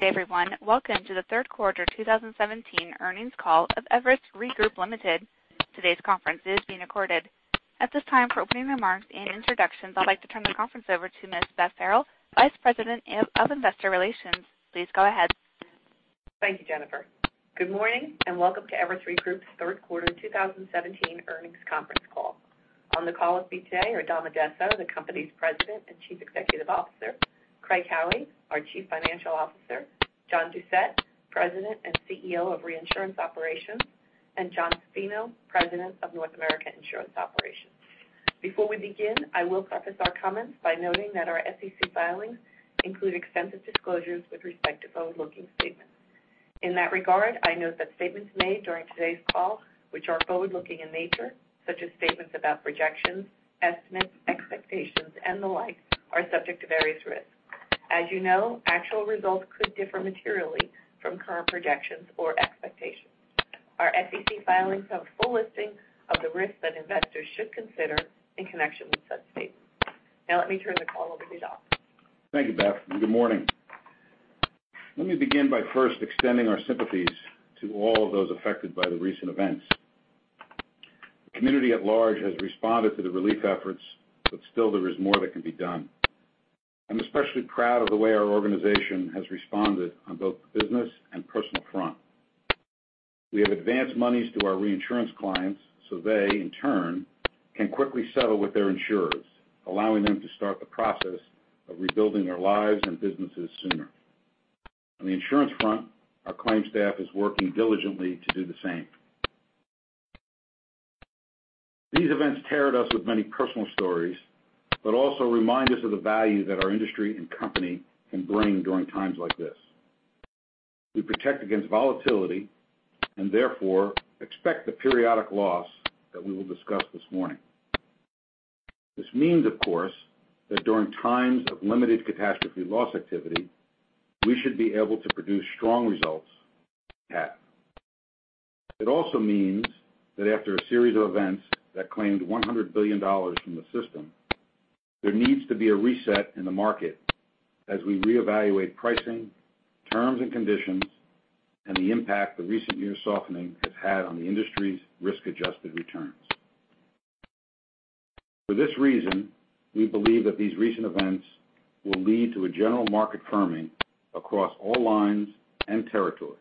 Everyone, welcome to the third quarter 2017 earnings call of Everest Re Group, Ltd. Today's conference is being recorded. At this time, for opening remarks and introductions, I'd like to turn the conference over to Ms. Beth Farrell, Vice President of Investor Relations. Please go ahead. Thank you, Jennifer. Good morning and welcome to Everest Re Group's third quarter 2017 earnings conference call. On the call with me today are Dom Addesso, the company's President and Chief Executive Officer, Craig Howie, our Chief Financial Officer, John Doucette, President and CEO of Reinsurance Operations, and Jonathan Zaffino, President of North America Insurance Operations. Before we begin, I will preface our comments by noting that our SEC filings include extensive disclosures with respect to forward-looking statements. In that regard, I note that statements made during today's call, which are forward-looking in nature, such as statements about projections, estimates, expectations, and the like, are subject to various risks. As you know, actual results could differ materially from current projections or expectations. Our SEC filings have a full listing of the risks that investors should consider in connection with such statements. Let me turn the call over to Dom. Thank you, Beth, and good morning. Let me begin by first extending our sympathies to all of those affected by the recent events. The community at large has responded to the relief efforts, but still there is more that can be done. I'm especially proud of the way our organization has responded on both the business and personal front. We have advanced monies to our reinsurance clients, so they, in turn, can quickly settle with their insurers, allowing them to start the process of rebuilding their lives and businesses sooner. On the insurance front, our claims staff is working diligently to do the same. These events tear at us with many personal stories, but also remind us of the value that our industry and company can bring during times like this. We protect against volatility, and therefore expect the periodic loss that we will discuss this morning. This means, of course, that during times of limited catastrophe loss activity, we should be able to produce strong results, as we have. It also means that after a series of events that claimed $100 billion from the system, there needs to be a reset in the market as we reevaluate pricing, terms and conditions, and the impact the recent year's softening has had on the industry's risk-adjusted returns. For this reason, we believe that these recent events will lead to a general market firming across all lines and territories.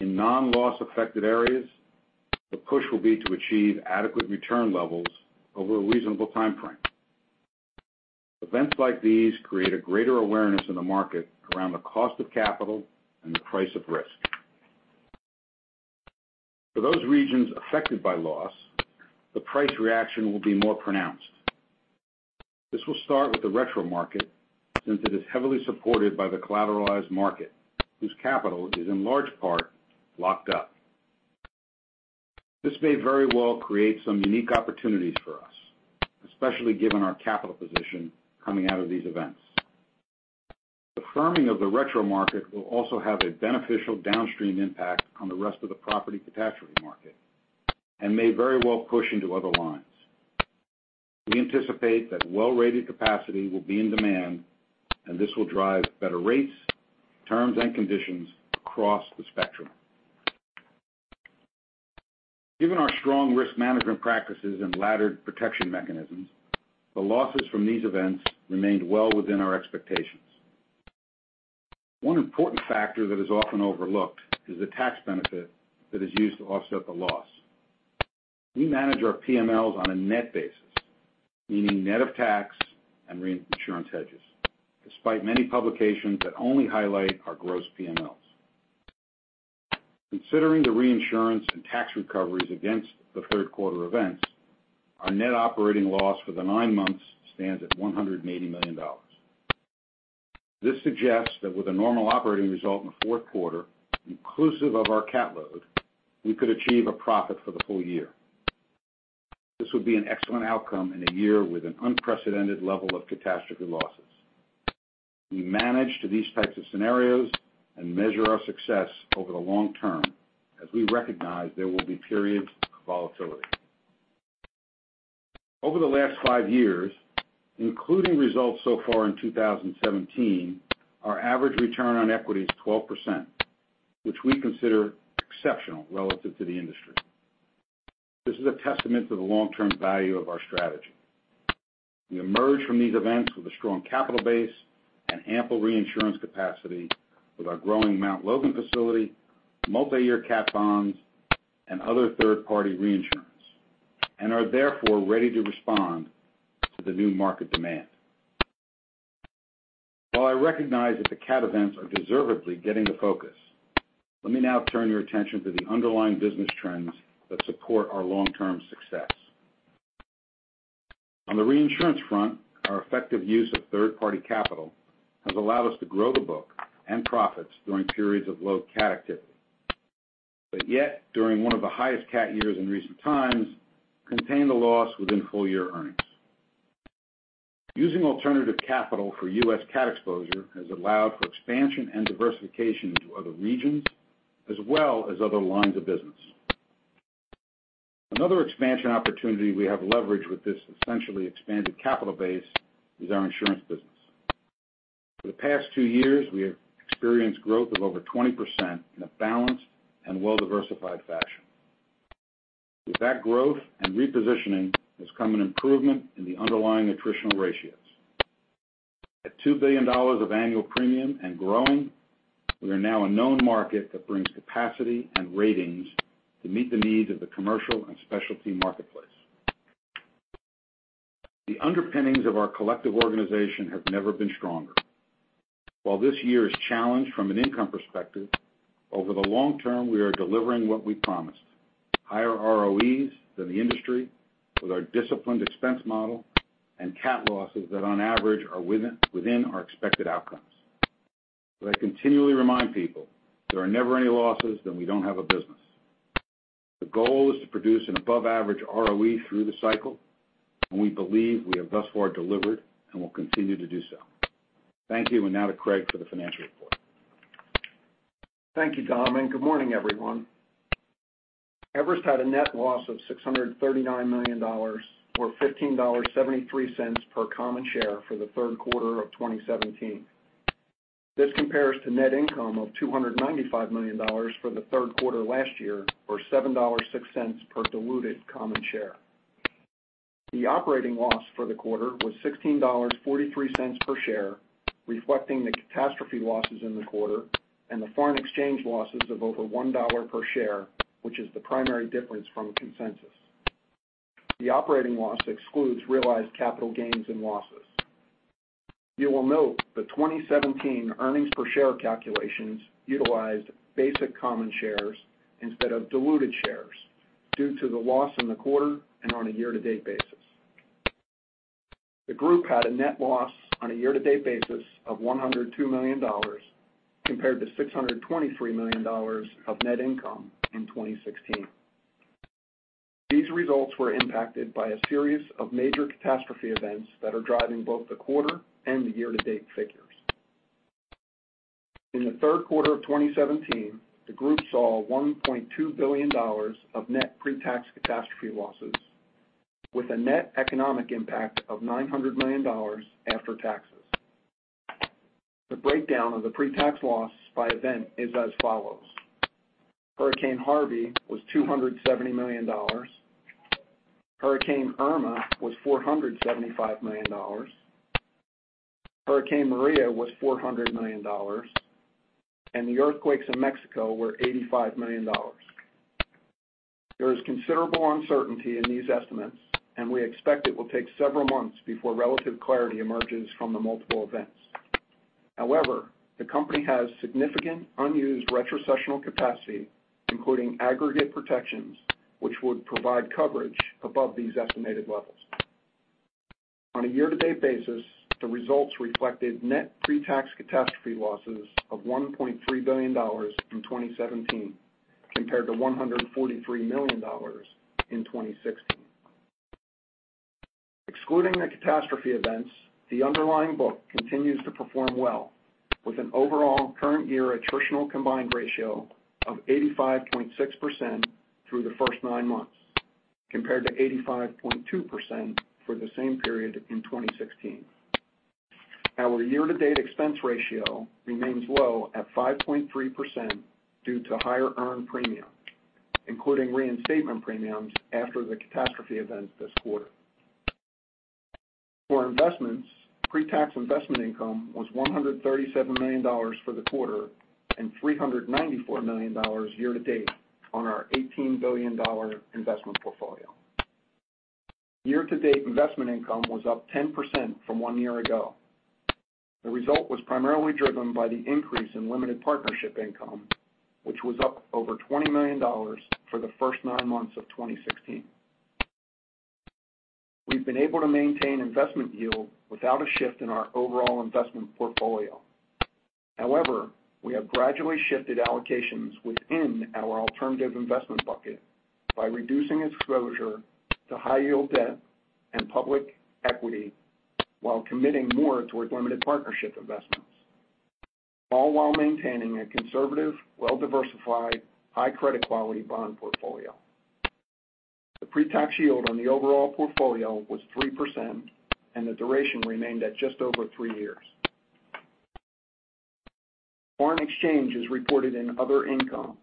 In non-loss affected areas, the push will be to achieve adequate return levels over a reasonable timeframe. Events like these create a greater awareness in the market around the cost of capital and the price of risk. For those regions affected by loss, the price reaction will be more pronounced. This will start with the retro market since it is heavily supported by the collateralized market, whose capital is in large part locked up. This may very well create some unique opportunities for us, especially given our capital position coming out of these events. The firming of the retro market will also have a beneficial downstream impact on the rest of the property catastrophe market and may very well push into other lines. We anticipate that well-rated capacity will be in demand, and this will drive better rates, terms, and conditions across the spectrum. Given our strong risk management practices and laddered protection mechanisms, the losses from these events remained well within our expectations. One important factor that is often overlooked is the tax benefit that is used to offset the loss. We manage our PMLs on a net basis, meaning net of tax and reinsurance hedges, despite many publications that only highlight our gross PMLs. Considering the reinsurance and tax recoveries against the third quarter events, our net operating loss for the nine months stands at $180 million. This suggests that with a normal operating result in the fourth quarter, inclusive of our cat load, we could achieve a profit for the full year. This would be an excellent outcome in a year with an unprecedented level of catastrophe losses. We manage to these types of scenarios and measure our success over the long term as we recognize there will be periods of volatility. Over the last five years, including results so far in 2017, our average return on equity is 12%, which we consider exceptional relative to the industry. This is a testament to the long-term value of our strategy. We emerge from these events with a strong capital base and ample reinsurance capacity with our growing Mount Logan facility, multi-year cat bonds, and other third-party reinsurance, are therefore ready to respond to the new market demand. While I recognize that the cat events are deservedly getting the focus, let me now turn your attention to the underlying business trends that support our long-term success. On the reinsurance front, our effective use of third-party capital has allowed us to grow the book and profits during periods of low cat activity. Yet, during one of the highest cat years in recent times, contained the loss within full-year earnings. Using alternative capital for U.S. cat exposure has allowed for expansion and diversification into other regions as well as other lines of business Another expansion opportunity we have leveraged with this essentially expanded capital base is our insurance business. For the past two years, we have experienced growth of over 20% in a balanced and well-diversified fashion. With that growth and repositioning has come an improvement in the underlying attritional ratios. At $2 billion of annual premium and growing, we are now a known market that brings capacity and ratings to meet the needs of the commercial and specialty marketplace. The underpinnings of our collective organization have never been stronger. While this year is challenged from an income perspective, over the long term, we are delivering what we promised, higher ROEs than the industry with our disciplined expense model and cat losses that on average are within our expected outcomes. I continually remind people there are never any losses, then we don't have a business. The goal is to produce an above-average ROE through the cycle, and we believe we have thus far delivered and will continue to do so. Thank you, and now to Craig for the financial report. Thank you, Dom, and good morning, everyone. Everest had a net loss of $639 million, or $15.73 per common share for the third quarter of 2017. This compares to net income of $295 million for the third quarter last year, or $7.06 per diluted common share. The operating loss for the quarter was $16.43 per share, reflecting the catastrophe losses in the quarter and the foreign exchange losses of over $1 per share, which is the primary difference from consensus. The operating loss excludes realized capital gains and losses. You will note the 2017 earnings per share calculations utilized basic common shares instead of diluted shares due to the loss in the quarter and on a year-to-date basis. The group had a net loss on a year-to-date basis of $102 million compared to $623 million of net income in 2016. These results were impacted by a series of major catastrophe events that are driving both the quarter and the year-to-date figures. In the third quarter of 2017, the group saw $1.2 billion of net pre-tax catastrophe losses with a net economic impact of $900 million after taxes. The breakdown of the pre-tax loss by event is as follows. Hurricane Harvey was $270 million. Hurricane Irma was $475 million. Hurricane Maria was $400 million, and the earthquakes in Mexico were $85 million. There is considerable uncertainty in these estimates, and we expect it will take several months before relative clarity emerges from the multiple events. However, the company has significant unused retrocessional capacity, including aggregate protections, which would provide coverage above these estimated levels. On a year-to-date basis, the results reflected net pre-tax catastrophe losses of $1.3 billion in 2017 compared to $143 million in 2016. Excluding the catastrophe events, the underlying book continues to perform well with an overall current year attritional combined ratio of 85.6% through the first nine months, compared to 85.2% for the same period in 2016. Our year-to-date expense ratio remains low at 5.3% due to higher earned premium, including reinstatement premiums after the catastrophe event this quarter. For investments, pre-tax investment income was $137 million for the quarter and $394 million year-to-date on our $18 billion investment portfolio. Year-to-date investment income was up 10% from one year ago. The result was primarily driven by the increase in limited partnership income, which was up over $20 million for the first nine months of 2016. We've been able to maintain investment yield without a shift in our overall investment portfolio. However, we have gradually shifted allocations within our alternative investment bucket by reducing exposure to high yield debt and public equity while committing more towards limited partnership investments, all while maintaining a conservative, well-diversified, high credit quality bond portfolio. The pre-tax yield on the overall portfolio was 3%, and the duration remained at just over three years. Foreign exchange is reported in other income.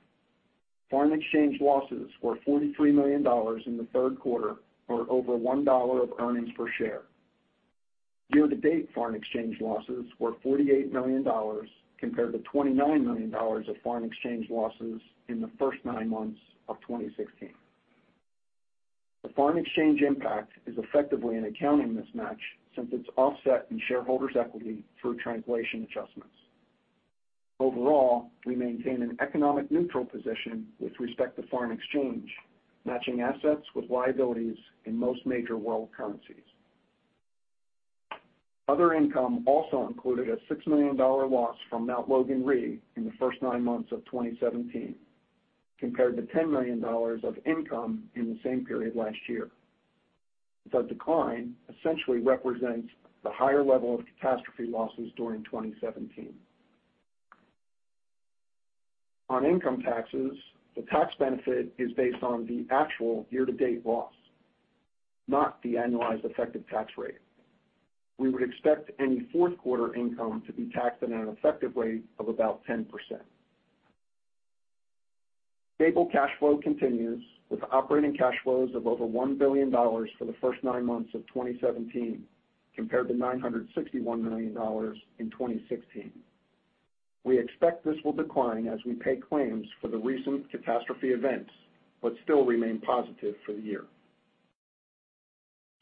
Foreign exchange losses were $43 million in the third quarter, or over $1 of earnings per share. Year-to-date foreign exchange losses were $48 million compared to $29 million of foreign exchange losses in the first nine months of 2016. The foreign exchange impact is effectively an accounting mismatch since it's offset in shareholders' equity through translation adjustments. Overall, we maintain an economic neutral position with respect to foreign exchange, matching assets with liabilities in most major world currencies. Other income also included a $6 million loss from Mount Logan Re in the first nine months of 2017 compared to $10 million of income in the same period last year. The decline essentially represents the higher level of catastrophe losses during 2017. On income taxes, the tax benefit is based on the actual year-to-date loss, not the annualized effective tax rate. We would expect any fourth quarter income to be taxed at an effective rate of about 10%. Stable cash flow continues with operating cash flows of over $1 billion for the first nine months of 2017, compared to $961 million in 2016. We expect this will decline as we pay claims for the recent catastrophe events, but still remain positive for the year.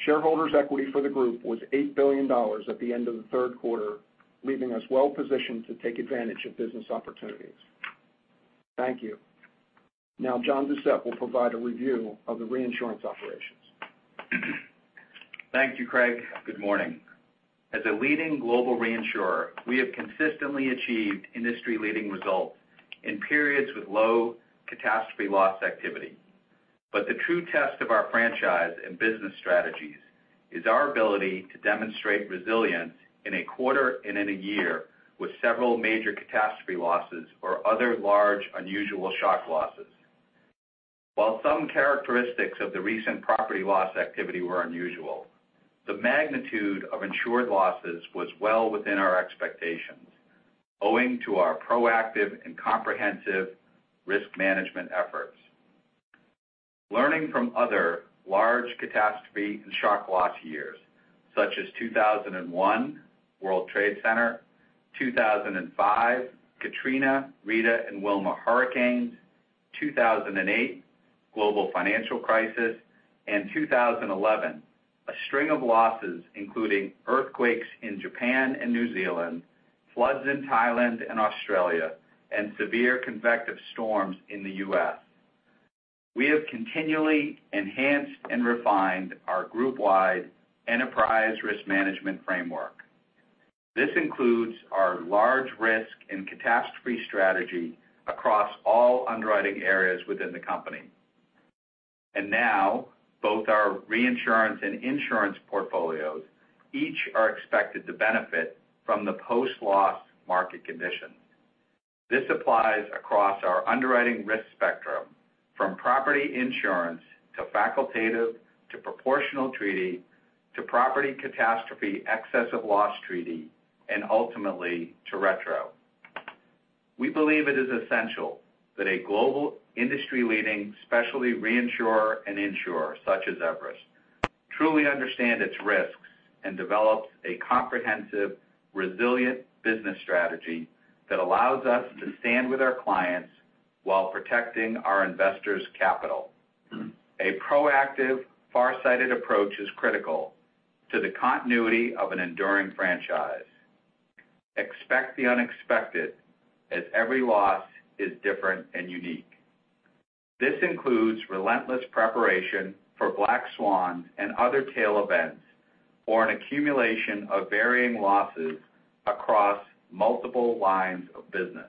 Shareholders' equity for the group was $8 billion at the end of the third quarter, leaving us well-positioned to take advantage of business opportunities. Thank you. Now John Doucette will provide a review of the reinsurance operations. Thank you, Craig. Good morning. As a leading global reinsurer, we have consistently achieved industry-leading results in periods with low catastrophe loss activity. The true test of our franchise and business strategies is our ability to demonstrate resilience in a quarter and in a year with several major catastrophe losses or other large unusual shock losses. While some characteristics of the recent property loss activity were unusual, the magnitude of insured losses was well within our expectations, owing to our proactive and comprehensive risk management efforts. Learning from other large catastrophe and shock loss years, such as 2001, World Trade Center. 2005, Hurricane Katrina, Hurricane Rita, and Hurricane Wilma. 2008, global financial crisis. 2011, a string of losses including earthquakes in Japan and New Zealand, floods in Thailand and Australia, and severe convective storms in the U.S. We have continually enhanced and refined our group-wide enterprise risk management framework. This includes our large risk and catastrophe strategy across all underwriting areas within the company. Now both our reinsurance and insurance portfolios each are expected to benefit from the post-loss market conditions. This applies across our underwriting risk spectrum, from property insurance to facultative, to proportional treaty, to property catastrophe, excess of loss treaty, and ultimately to retro. We believe it is essential that a global industry-leading specialty reinsurer and insurer such as Everest truly understand its risks and develops a comprehensive, resilient business strategy that allows us to stand with our clients while protecting our investors' capital. A proactive, farsighted approach is critical to the continuity of an enduring franchise. Expect the unexpected as every loss is different and unique. This includes relentless preparation for black swans and other tail events, or an accumulation of varying losses across multiple lines of business.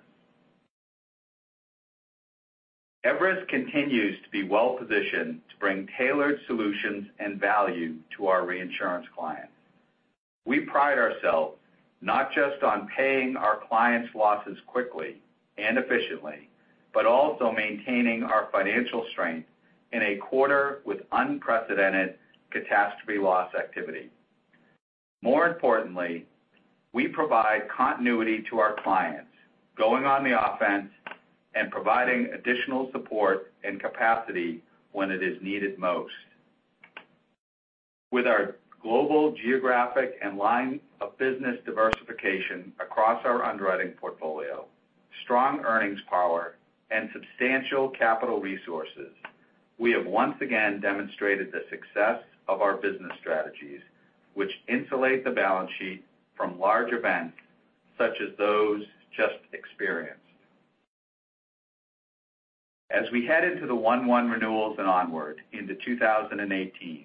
Everest continues to be well-positioned to bring tailored solutions and value to our reinsurance clients. We pride ourselves not just on paying our clients' losses quickly and efficiently, but also maintaining our financial strength in a quarter with unprecedented catastrophe loss activity. More importantly, we provide continuity to our clients, going on the offense and providing additional support and capacity when it is needed most. With our global geographic and line of business diversification across our underwriting portfolio, strong earnings power, and substantial capital resources, we have once again demonstrated the success of our business strategies, which insulate the balance sheet from large events such as those just experienced. As we head into the one-one renewals and onward into 2018,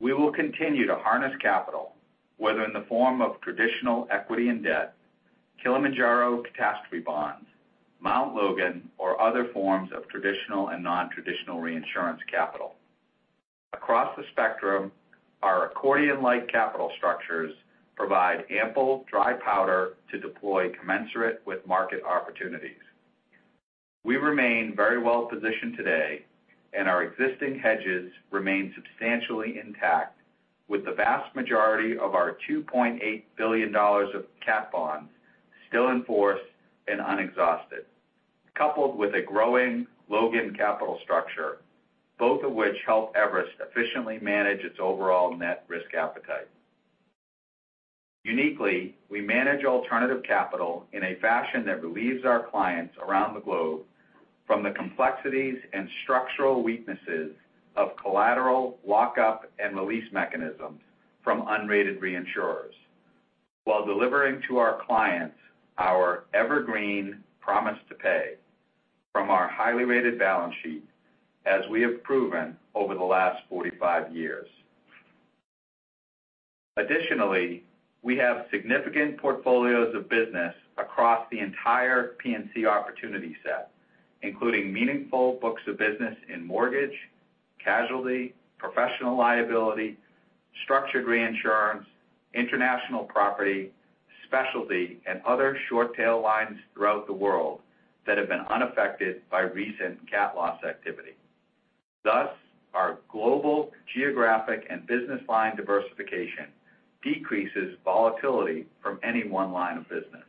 we will continue to harness capital, whether in the form of traditional equity and debt, Kilimanjaro catastrophe bonds, Mount Logan, or other forms of traditional and non-traditional reinsurance capital. Across the spectrum, our accordion-like capital structures provide ample dry powder to deploy commensurate with market opportunities. We remain very well-positioned today, and our existing hedges remain substantially intact with the vast majority of our $2.8 billion of cat bonds still in force and unexhausted, coupled with a growing Logan capital structure, both of which help Everest efficiently manage its overall net risk appetite. Uniquely, we manage alternative capital in a fashion that relieves our clients around the globe from the complexities and structural weaknesses of collateral, lockup, and release mechanisms from unrated reinsurers, while delivering to our clients our evergreen promise to pay from our highly rated balance sheet as we have proven over the last 45 years. Additionally, we have significant portfolios of business across the entire P&C opportunity set, including meaningful books of business in mortgage, casualty, professional liability- Structured reinsurance, international property, specialty, and other short tail lines throughout the world that have been unaffected by recent cat loss activity. Thus, our global geographic and business line diversification decreases volatility from any one line of business.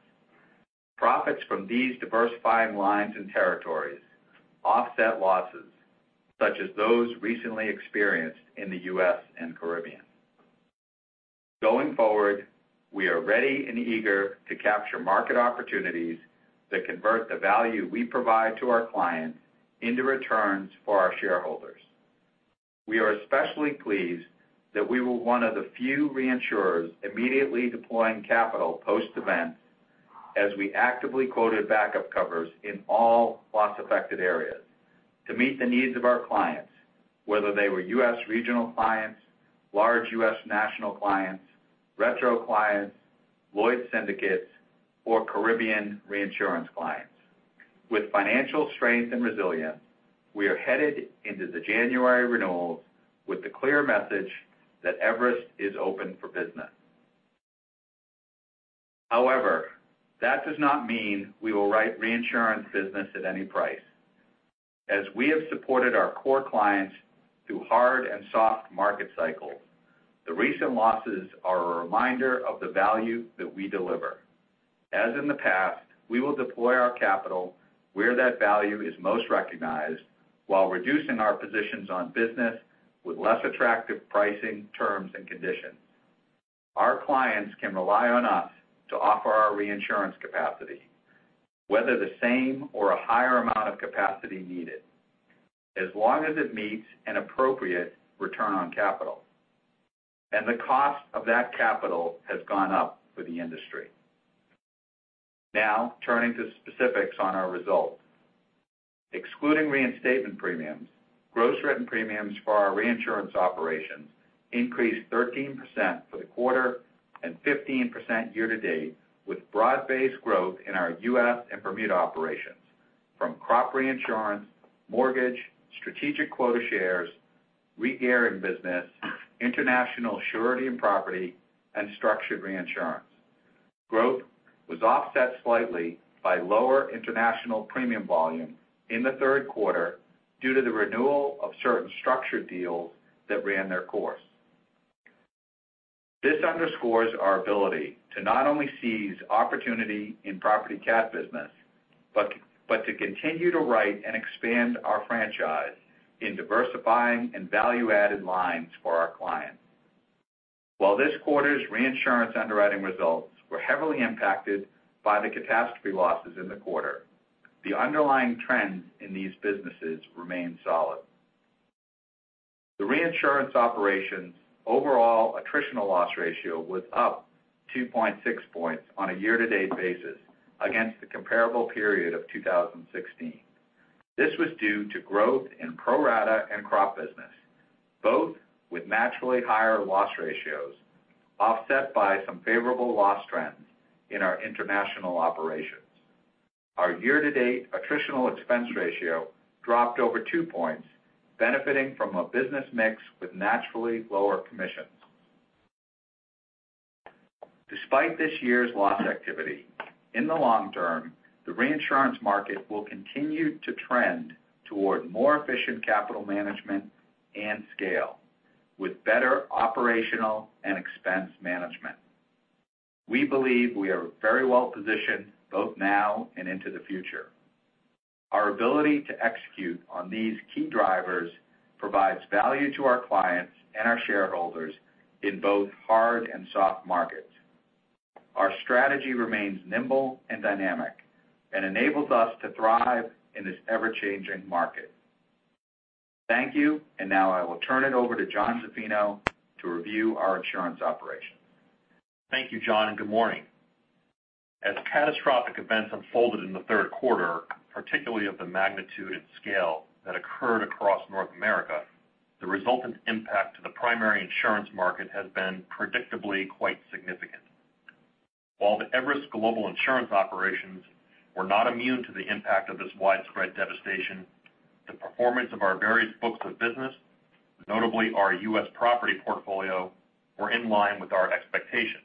Profits from these diversifying lines and territories offset losses, such as those recently experienced in the U.S. and Caribbean. Going forward, we are ready and eager to capture market opportunities that convert the value we provide to our clients into returns for our shareholders. We are especially pleased that we were one of the few reinsurers immediately deploying capital post-event as we actively quoted backup covers in all loss-affected areas to meet the needs of our clients, whether they were U.S. regional clients, large U.S. national clients, retro clients, Lloyd's syndicates, or Caribbean reinsurance clients. With financial strength and resilience, we are headed into the January renewals with the clear message that Everest is open for business. That does not mean we will write reinsurance business at any price. As we have supported our core clients through hard and soft market cycles, the recent losses are a reminder of the value that we deliver. As in the past, we will deploy our capital where that value is most recognized while reducing our positions on business with less attractive pricing terms and conditions. Our clients can rely on us to offer our reinsurance capacity, whether the same or a higher amount of capacity needed as long as it meets an appropriate return on capital, and the cost of that capital has gone up for the industry. Turning to specifics on our results. Excluding reinstatement premiums, gross written premiums for our reinsurance operations increased 13% for the quarter and 15% year-to-date with broad-based growth in our U.S. and Bermuda operations from crop reinsurance, mortgage, strategic quota shares, reinsurance business, international surety and property, and structured reinsurance. Growth was offset slightly by lower international premium volume in the third quarter due to the renewal of certain structured deals that ran their course. This underscores our ability to not only seize opportunity in property cat business but to continue to write and expand our franchise in diversifying and value-added lines for our clients. While this quarter's reinsurance underwriting results were heavily impacted by the catastrophe losses in the quarter, the underlying trends in these businesses remain solid. The reinsurance operations overall attritional loss ratio was up 2.6 points on a year-to-date basis against the comparable period of 2016. This was due to growth in pro rata and crop business, both with naturally higher loss ratios offset by some favorable loss trends in our international operations. Our year-to-date attritional expense ratio dropped over 2 points, benefiting from a business mix with naturally lower commissions. Despite this year's loss activity, in the long term, the reinsurance market will continue to trend toward more efficient capital management and scale with better operational and expense management. We believe we are very well-positioned both now and into the future. Our ability to execute on these key drivers provides value to our clients and our shareholders in both hard and soft markets. Our strategy remains nimble and dynamic and enables us to thrive in this ever-changing market. Thank you. Now I will turn it over to John Zaffino to review our insurance operations. Thank you, John, and good morning. As catastrophic events unfolded in the third quarter, particularly of the magnitude and scale that occurred across North America, the resultant impact to the primary insurance market has been predictably quite significant. While the Everest global insurance operations were not immune to the impact of this widespread devastation, the performance of our various books of business, notably our U.S. property portfolio, were in line with our expectations.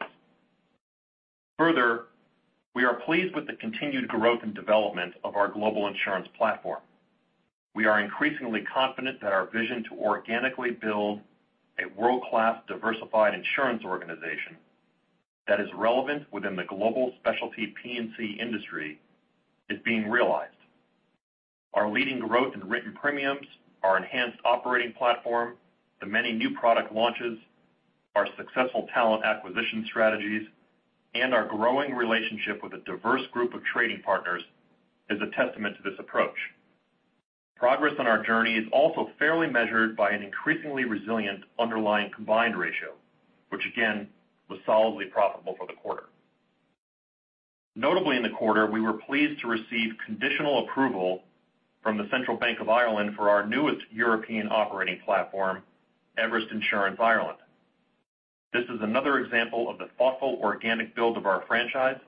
We are pleased with the continued growth and development of our global insurance platform. We are increasingly confident that our vision to organically build a world-class diversified insurance organization that is relevant within the global specialty P&C industry is being realized. Our leading growth in written premiums, our enhanced operating platform, the many new product launches, our successful talent acquisition strategies, and our growing relationship with a diverse group of trading partners is a testament to this approach. Progress on our journey is also fairly measured by an increasingly resilient underlying combined ratio, which again was solidly profitable for the quarter. Notably in the quarter, we were pleased to receive conditional approval from the Central Bank of Ireland for our newest European operating platform, Everest Insurance Ireland. This is another example of the thoughtful organic build of our franchise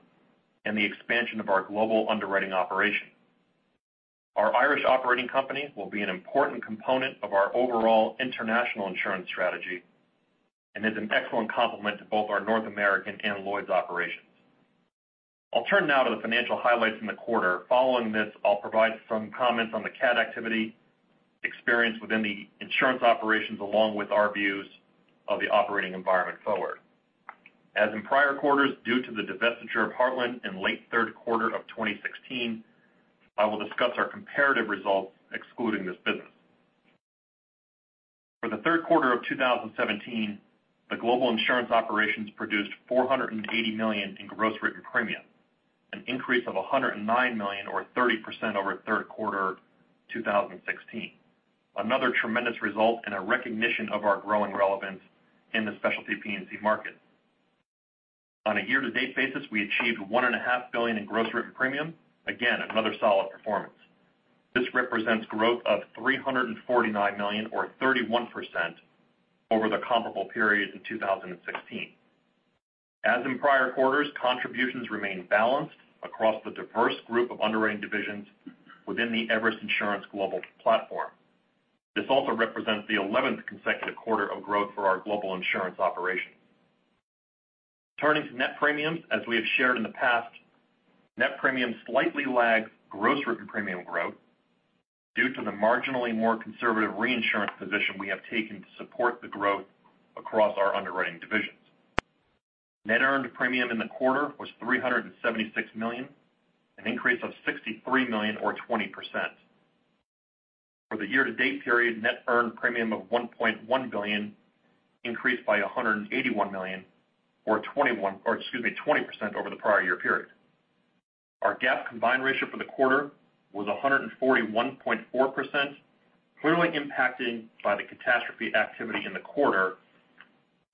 and the expansion of our global underwriting operation. Our Irish operating company will be an important component of our overall international insurance strategy, and is an excellent complement to both our North American and Lloyd's operations. I will turn now to the financial highlights in the quarter. Following this, I will provide some comments on the cat activity experienced within the insurance operations, along with our views of the operating environment forward. As in prior quarters, due to the divestiture of Heartland in late third quarter of 2016, I will discuss our comparative results excluding this business. For the third quarter of 2017, the global insurance operations produced $480 million in gross written premium, an increase of $109 million or 30% over third quarter 2016. Another tremendous result and a recognition of our growing relevance in the specialty P&C market. On a year-to-date basis, we achieved $1.5 billion in gross written premium. Again, another solid performance. This represents growth of $349 million or 31% over the comparable period in 2016. As in prior quarters, contributions remain balanced across the diverse group of underwriting divisions within the Everest Insurance global platform. This also represents the 11th consecutive quarter of growth for our global insurance operations. Turning to net premiums. As we have shared in the past, net premiums slightly lag gross written premium growth due to the marginally more conservative reinsurance position we have taken to support the growth across our underwriting divisions. Net earned premium in the quarter was $376 million, an increase of $63 million or 20%. For the year-to-date period, net earned premium of $1.1 billion increased by $181 million or 20% over the prior year period. Our GAAP combined ratio for the quarter was 141.4%, clearly impacted by the catastrophe activity in the quarter,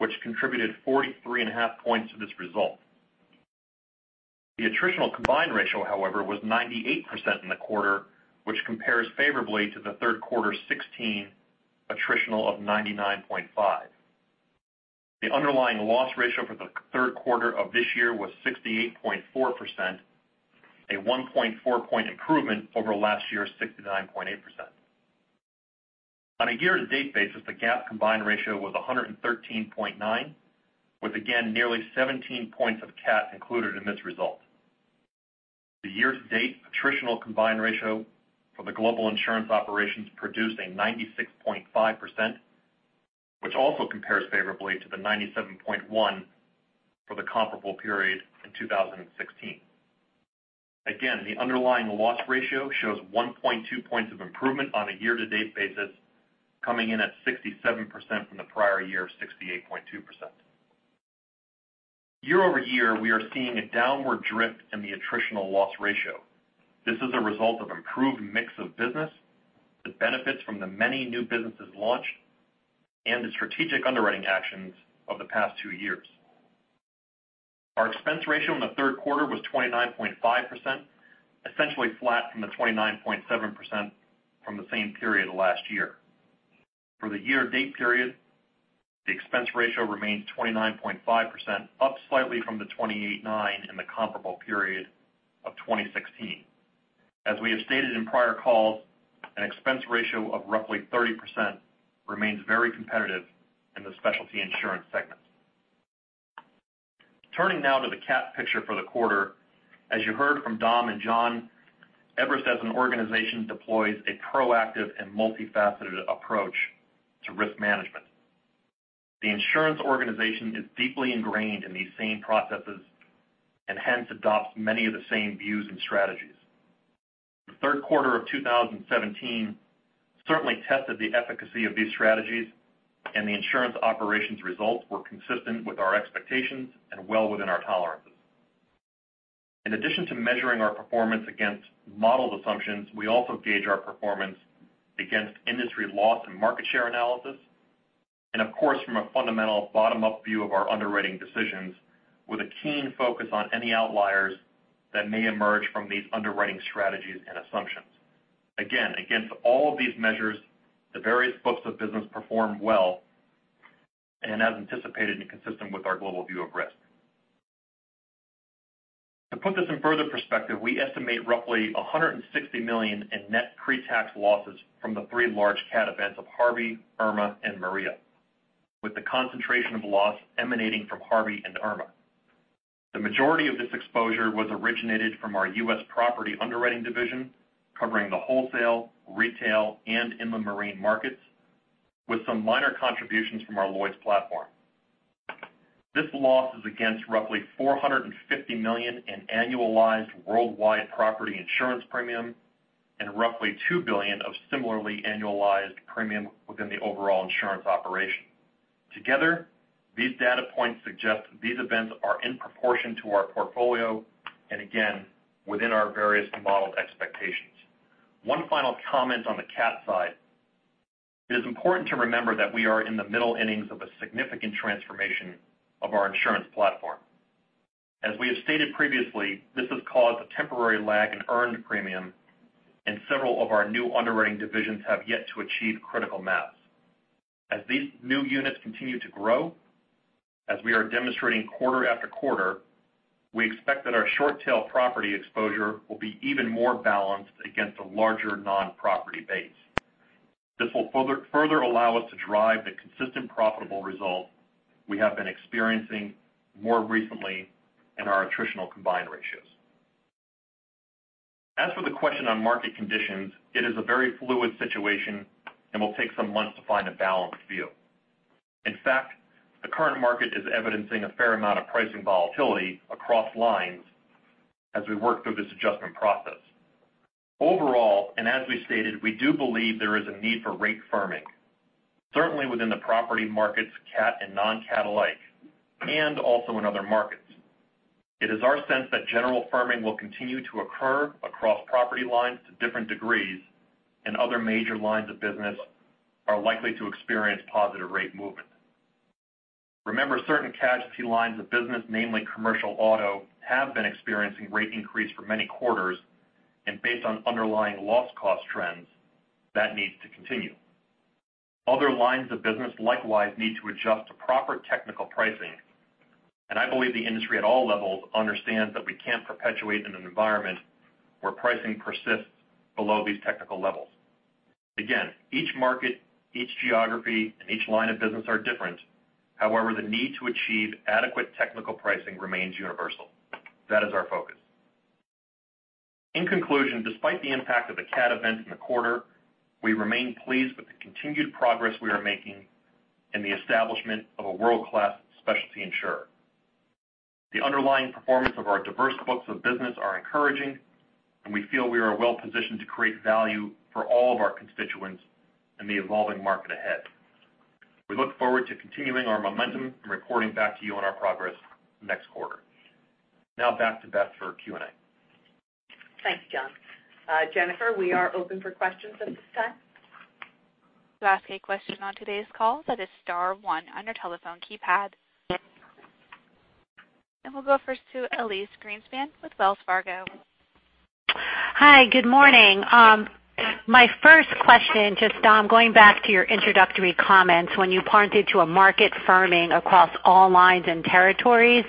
which contributed 43 and a half points to this result. The attritional combined ratio, however, was 98% in the quarter, which compares favorably to the third quarter '16 attritional of 99.5%. The underlying loss ratio for the third quarter of this year was 68.4%, a 1.4 point improvement over last year's 69.8%. On a year-to-date basis, the GAAP combined ratio was 113.9, with again nearly 17 points of cat included in this result. The year-to-date attritional combined ratio for the global insurance operations produced a 96.5%, which also compares favorably to the 97.1 for the comparable period in 2016. Again, the underlying loss ratio shows 1.2 points of improvement on a year-to-date basis, coming in at 67% from the prior year of 68.2%. Year-over-year, we are seeing a downward drift in the attritional loss ratio. This is a result of improved mix of business that benefits from the many new businesses launched and the strategic underwriting actions of the past two years. Our expense ratio in the third quarter was 29.5%, essentially flat from the 29.7% from the same period last year. For the year-to-date period, the expense ratio remains 29.5%, up slightly from the 28.9 in the comparable period of 2016. As we have stated in prior calls, an expense ratio of roughly 30% remains very competitive in the specialty insurance segment. Turning now to the cat picture for the quarter. As you heard from Dom and John, Everest as an organization deploys a proactive and multifaceted approach to risk management. The insurance organization is deeply ingrained in these same processes and hence adopts many of the same views and strategies. The third quarter of 2017 certainly tested the efficacy of these strategies, and the insurance operations results were consistent with our expectations and well within our tolerances. In addition to measuring our performance against modeled assumptions, we also gauge our performance against industry loss and market share analysis, and of course, from a fundamental bottom-up view of our underwriting decisions with a keen focus on any outliers that may emerge from these underwriting strategies and assumptions. Again, against all of these measures, the various books of business performed well and as anticipated and consistent with our global view of risk. To put this in further perspective, we estimate roughly $160 million in net pre-tax losses from the three large cat events of Harvey, Irma, and Maria, with the concentration of loss emanating from Harvey and Irma. The majority of this exposure was originated from our U.S. property underwriting division, covering the wholesale, retail, and inland marine markets, with some minor contributions from our Lloyd's platform. This loss is against roughly $450 million in annualized worldwide property insurance premium and roughly $2 billion of similarly annualized premium within the overall insurance operation. Together, these data points suggest these events are in proportion to our portfolio, and again, within our various modeled expectations. One final comment on the cat side. It is important to remember that we are in the middle innings of a significant transformation of our insurance platform. As we have stated previously, this has caused a temporary lag in earned premium, and several of our new underwriting divisions have yet to achieve critical mass. As these new units continue to grow, as we are demonstrating quarter after quarter, we expect that our short-tail property exposure will be even more balanced against a larger non-property base. This will further allow us to drive the consistent profitable result we have been experiencing more recently in our attritional combined ratios. As for the question on market conditions, it is a very fluid situation and will take some months to find a balanced view. In fact, the current market is evidencing a fair amount of pricing volatility across lines as we work through this adjustment process. Overall, as we stated, we do believe there is a need for rate firming, certainly within the property markets, cat and non-cat alike, and also in other markets. It is our sense that general firming will continue to occur across property lines to different degrees, and other major lines of business are likely to experience positive rate movement. Remember, certain casualty lines of business, namely commercial auto, have been experiencing rate increase for many quarters, and based on underlying loss cost trends, that needs to continue. Other lines of business likewise need to adjust to proper technical pricing, and I believe the industry at all levels understands that we can't perpetuate in an environment where pricing persists below these technical levels. Again, each market, each geography, and each line of business are different. However, the need to achieve adequate technical pricing remains universal. That is our focus. In conclusion, despite the impact of the cat event in the quarter, we remain pleased with the continued progress we are making in the establishment of a world-class specialty insurer. The underlying performance of our diverse books of business are encouraging, and we feel we are well-positioned to create value for all of our constituents in the evolving market ahead. We look forward to continuing our momentum and reporting back to you on our progress next quarter. Now back to Beth for Q&A. Thanks, John. Jennifer, we are open for questions at this time. To ask a question on today's call, that is star one on your telephone keypad. We'll go first to Elyse Greenspan with Wells Fargo. Hi. Good morning. My first question, just Dom, going back to your introductory comments when you pointed to a market firming across all lines and territories.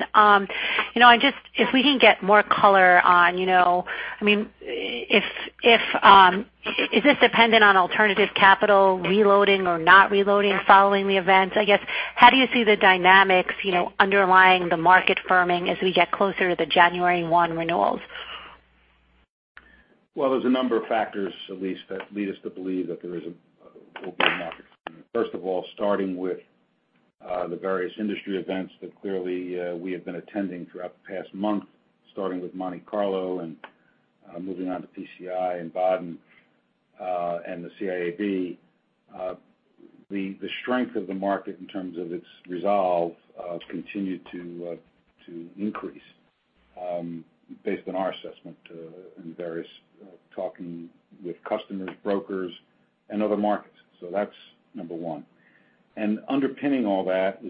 If we can get more color on, is this dependent on alternative capital reloading or not reloading following the events? I guess, how do you see the dynamics underlying the market firming as we get closer to the January one renewals? Well, there's a number of factors, Elyse, that lead us to believe that there will be a market firming. First of all, starting with the various industry events that clearly we have been attending throughout the past month, starting with Monte Carlo and moving on to PCI and Baden-Baden and the CIAB. The strength of the market in terms of its resolve continued to increase based on our assessment in various talking with customers, brokers, and other markets. That's number 1. Underpinning all that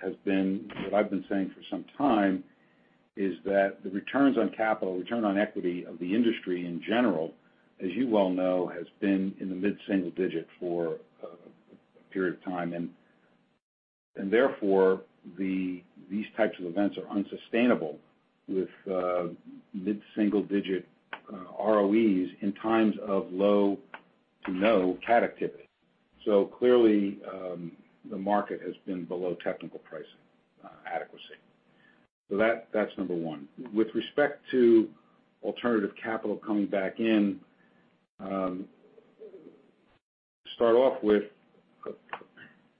has been what I've been saying for some time, is that the returns on capital, return on equity of the industry in general, as you well know, has been in the mid-single digit for a period of time. Therefore, these types of events are unsustainable with mid-single digit ROEs in times of low to no cat activity. Clearly, the market has been below technical pricing adequacy. That's number 1. With respect to alternative capital coming back in, start off with a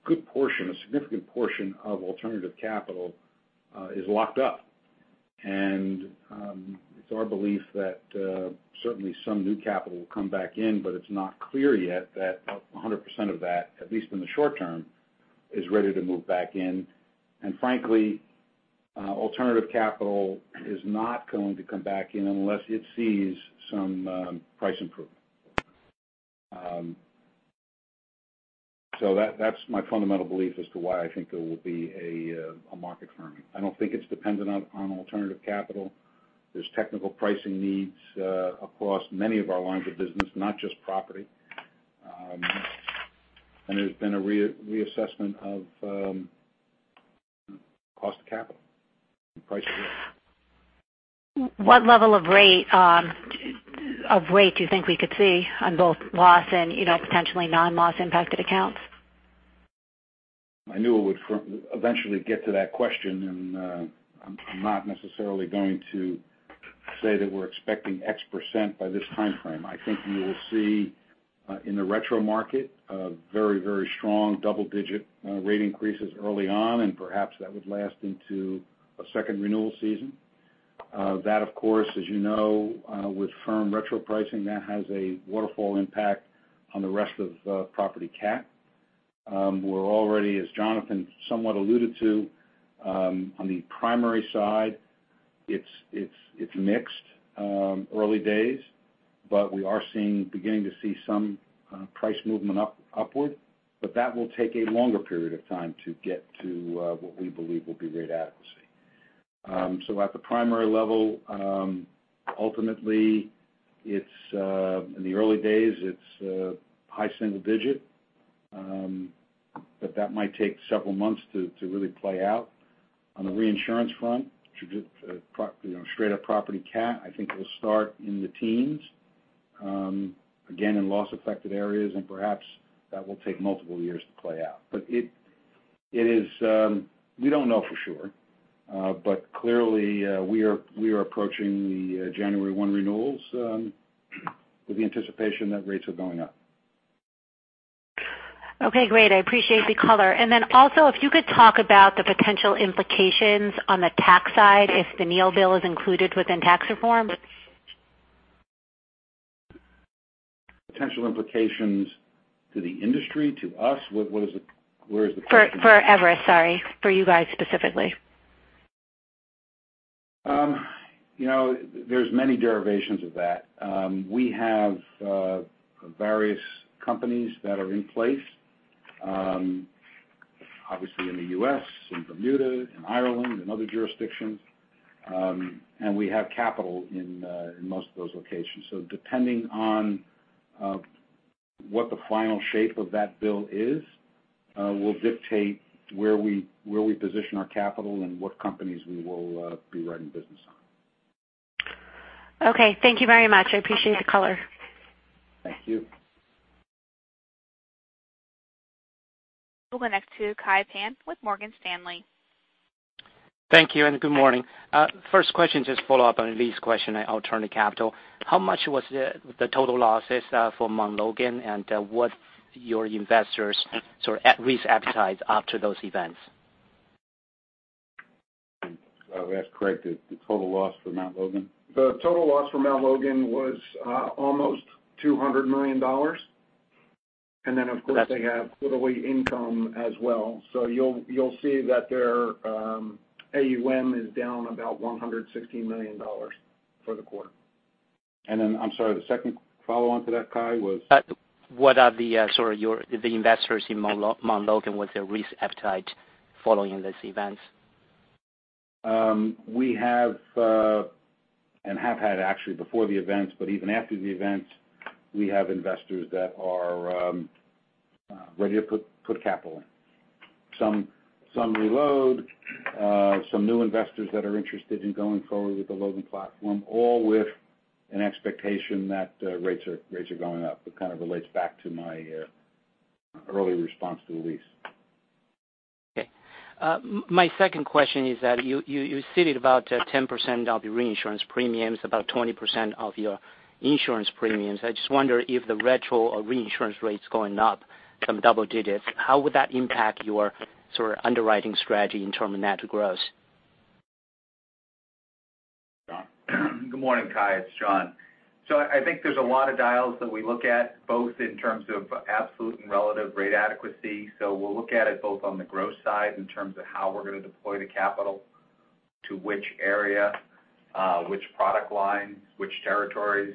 good portion, a significant portion of alternative capital is locked up. It's our belief that certainly some new capital will come back in, but it's not clear yet that 100% of that, at least in the short term, is ready to move back in. Frankly, alternative capital is not going to come back in unless it sees some price improvement. That's my fundamental belief as to why I think there will be a market firming. I don't think it's dependent on alternative capital. There's technical pricing needs across many of our lines of business, not just property. There's been a reassessment of cost of capital and price of risk. What level of rate do you think we could see on both loss and potentially non-loss impacted accounts? I knew it would eventually get to that question. I'm not necessarily going to say that we're expecting X% by this timeframe. I think you will see in the retro market very strong double-digit rate increases early on. Perhaps that would last into a second renewal season. Of course, as you know, with firm retro pricing, that has a waterfall impact on the rest of the property cat. We're already, as Jonathan somewhat alluded to on the primary side, it's mixed early days. We are beginning to see some price movement upward. That will take a longer period of time to get to what we believe will be rate adequacy. At the primary level, ultimately, in the early days, it's high single digit. That might take several months to really play out. On the reinsurance front, straight up property cat, I think it'll start in the teens, again in loss affected areas. Perhaps that will take multiple years to play out. We don't know for sure. Clearly, we are approaching the January 1 renewals with the anticipation that rates are going up. Okay, great. I appreciate the color. Also if you could talk about the potential implications on the tax side if the Neal bill is included within tax reform. Potential implications to the industry, to us? For Everest, sorry, for you guys specifically. There's many derivations of that. We have various companies that are in place obviously in the U.S., in Bermuda, in Ireland, in other jurisdictions. We have capital in most of those locations. Depending on what the final shape of that bill is will dictate where we position our capital and what companies we will be running business on. Okay. Thank you very much. I appreciate the color. Thank you. We'll go next to Kai Pan with Morgan Stanley. Thank you. Good morning. First question, just follow up on Elyse's question on alternative capital. How much was the total losses for Mount Logan and what your investors risk appetite after those events? If I asked Craig the total loss for Mount Logan. The total loss for Mount Logan was almost $200 million. Then, of course, they have quarterly income as well. You'll see that their AUM is down about $160 million for the quarter. Then, I'm sorry, the second follow-on to that, Kai, was? What are the investors in Mount Logan, what's their risk appetite following these events? We have and have had actually before the events, but even after the events, we have investors that are ready to put capital in. Some reload, some new investors that are interested in going forward with the Logan platform, all with an expectation that rates are going up. It kind of relates back to my early response to Elyse. Okay. My second question is that you stated about 10% of your reinsurance premiums, about 20% of your insurance premiums. I just wonder if the retro or reinsurance rates going up from double digits, how would that impact your underwriting strategy in terms of net gross? John? Good morning, Kai. It's John. I think there's a lot of dials that we look at, both in terms of absolute and relative rate adequacy. We'll look at it both on the gross side in terms of how we're going to deploy the capital, to which area, which product lines, which territories,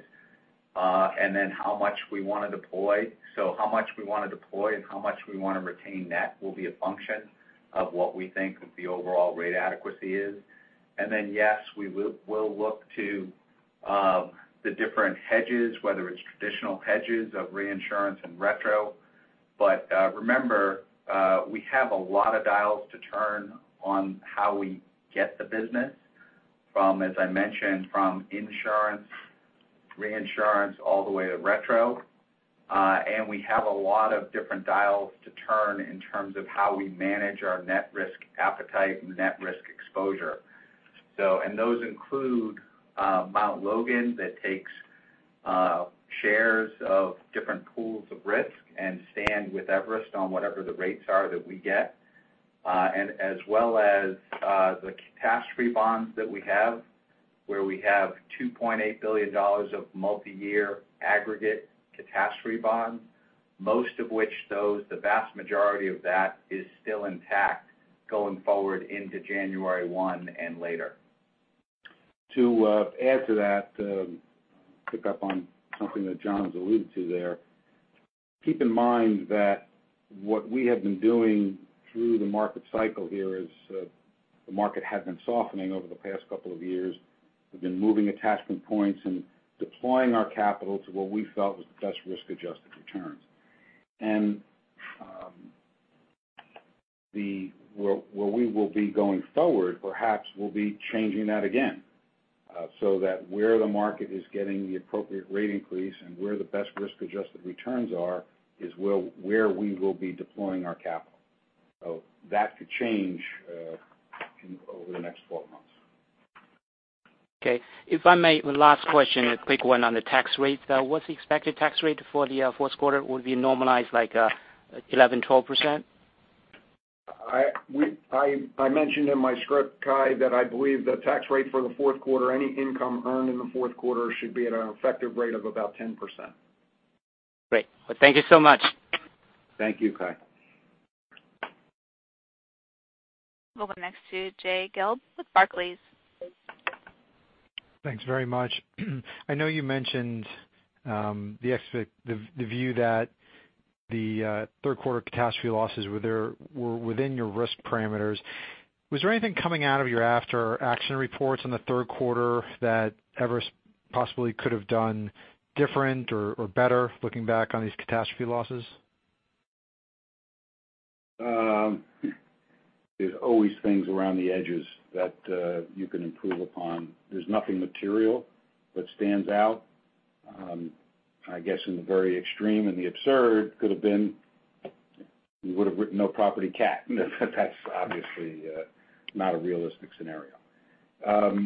and then how much we want to deploy. How much we want to deploy and how much we want to retain, that will be a function of what we think the overall rate adequacy is. Yes, we'll look to the different hedges, whether it's traditional hedges of reinsurance and retro. Remember, we have a lot of dials to turn on how we get the business from, as I mentioned, from insurance, reinsurance, all the way to retro. We have a lot of different dials to turn in terms of how we manage our net risk appetite and net risk exposure. Those include Mount Logan, that takes shares of different pools of risk and stand with Everest on whatever the rates are that we get, and as well as the catastrophe bonds that we have, where we have $2.8 billion of multi-year aggregate catastrophe bonds, most of which those, the vast majority of that is still intact going forward into January 1 and later. To add to that, to pick up on something that John's alluded to there, keep in mind that what we have been doing through the market cycle here is the market had been softening over the past couple of years. We've been moving attachment points and deploying our capital to what we felt was the best risk-adjusted returns. Where we will be going forward, perhaps we'll be changing that again, so that where the market is getting the appropriate rate increase and where the best risk-adjusted returns are is where we will be deploying our capital. That could change over the next 12 months. Okay. If I may, one last question, a quick one on the tax rates. What's the expected tax rate for the fourth quarter? Will it be normalized like 11%, 12%? I mentioned in my script, Kai, that I believe the tax rate for the fourth quarter, any income earned in the fourth quarter should be at an effective rate of about 10%. Great. Well, thank you so much. Thank you, Kai. We'll go next to Jay Gelb with Barclays. Thanks very much. I know you mentioned the view that the third quarter catastrophe losses were within your risk parameters. Was there anything coming out of your after-action reports in the third quarter that Everest possibly could have done different or better, looking back on these catastrophe losses? There's always things around the edges that you can improve upon. There's nothing material that stands out. I guess in the very extreme and the absurd could have been, we would've written no property cat. That's obviously not a realistic scenario. I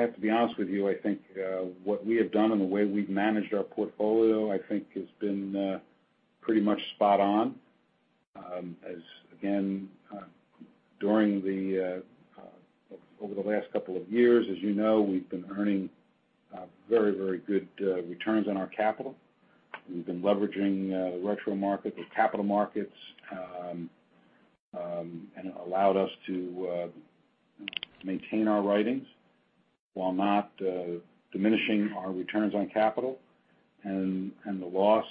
have to be honest with you, I think what we have done and the way we've managed our portfolio, I think has been pretty much spot on. As again, over the last couple of years, as you know, we've been earning very good returns on our capital. We've been leveraging the retro market, the capital markets, and it allowed us to maintain our writings while not diminishing our returns on capital. The loss,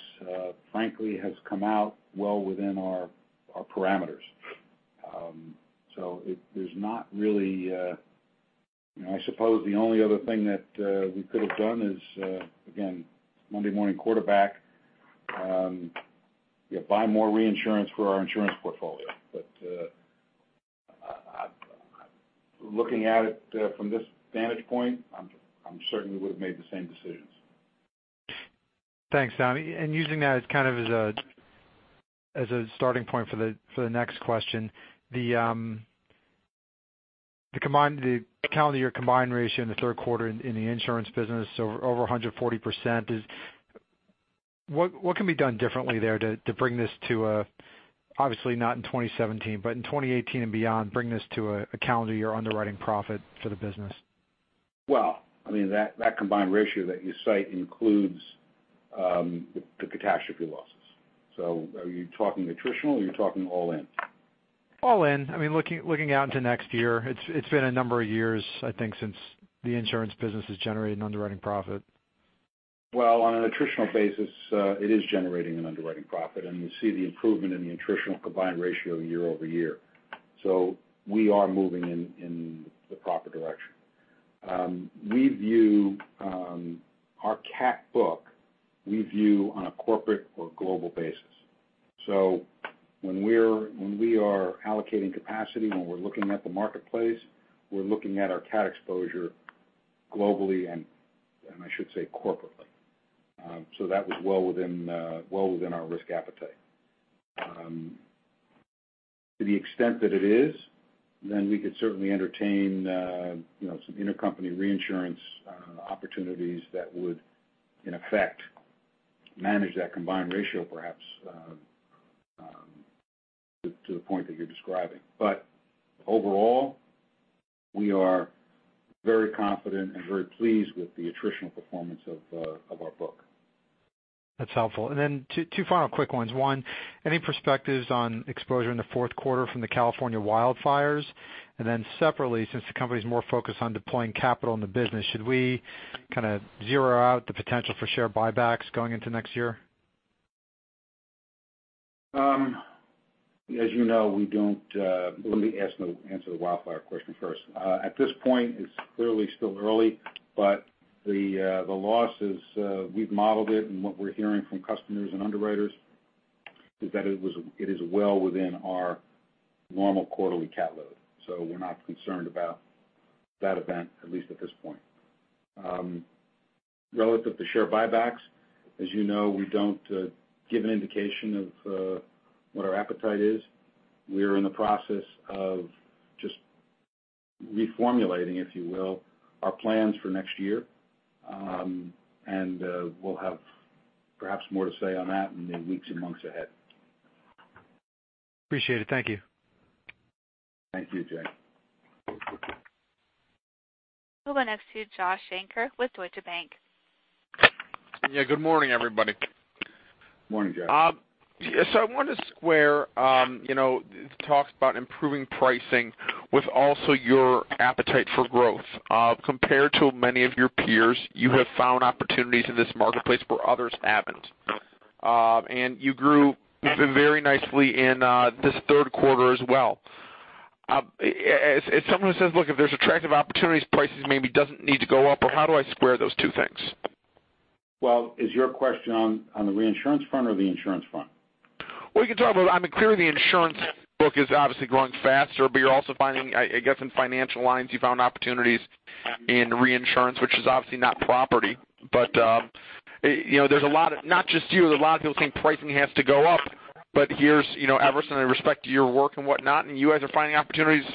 frankly, has come out well within our parameters. There's not really. I suppose the only other thing that we could have done is, again, Monday morning quarterback, buy more reinsurance for our insurance portfolio. Looking at it from this vantage point, I certainly would've made the same decisions. Thanks, Dom. Using that as kind of a starting point for the next question. The calendar year combined ratio in the third quarter in the insurance business, over 140%, what can be done differently there to bring this to a, obviously not in 2017, but in 2018 and beyond, bring this to a calendar year underwriting profit for the business? Well, that combined ratio that you cite includes the catastrophe losses. Are you talking attritional or are you talking all in? All in. Looking out into next year, it's been a number of years, I think, since the insurance business has generated an underwriting profit. Well, on an attritional basis, it is generating an underwriting profit, you see the improvement in the attritional combined ratio year-over-year. We are moving in the proper direction. Our cat book, we view on a corporate or global basis. When we are allocating capacity, when we're looking at the marketplace, we're looking at our cat exposure globally and, I should say, corporately. That was well within our risk appetite. To the extent that it is, we could certainly entertain some intercompany reinsurance opportunities that would, in effect, manage that combined ratio perhaps to the point that you're describing. Overall, we are very confident and very pleased with the attritional performance of our book. That's helpful. Two final quick ones. One, any perspectives on exposure in the fourth quarter from the California wildfires? Separately, since the company's more focused on deploying capital in the business, should we kind of zero out the potential for share buybacks going into next year? Let me answer the wildfire question first. At this point, it's clearly still early, but the losses, we've modeled it, and what we're hearing from customers and underwriters is that it is well within our normal quarterly cat load. We're not concerned about that event, at least at this point. Relative to share buybacks, as you know, we don't give an indication of what our appetite is. We are in the process of just reformulating, if you will, our plans for next year. We'll have perhaps more to say on that in the weeks and months ahead. Appreciate it. Thank you. Thank you, Jay. We'll go next to Joshua Shanker with Deutsche Bank. Yeah, good morning, everybody. Morning, Josh. I wanted to square talks about improving pricing with also your appetite for growth. Compared to many of your peers, you have found opportunities in this marketplace where others haven't. You grew very nicely in this third quarter as well. As someone who says, look, if there's attractive opportunities, prices maybe doesn't need to go up, or how do I square those two things? Well, is your question on the reinsurance front or the insurance front? Well, you can talk about, clearly the insurance book is obviously growing faster, but you're also finding, I guess, in financial lines, you found opportunities in reinsurance, which is obviously not property. Not just you, there's a lot of people saying pricing has to go up. Here's Everest in respect to your work and whatnot, and you guys are finding opportunities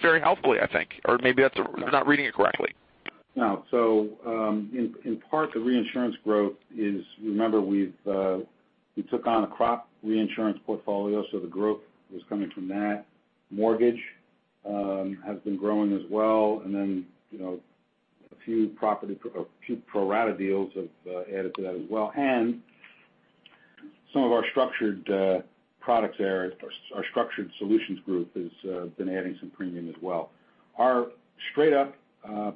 very healthily, I think, or maybe I'm not reading it correctly. No. In part, the reinsurance growth is, remember, we took on a crop reinsurance portfolio, so the growth was coming from that. Mortgage has been growing as well, and then a few pro rata deals have added to that as well. Some of our structured products there, our structured solutions group has been adding some premium as well. Our straight-up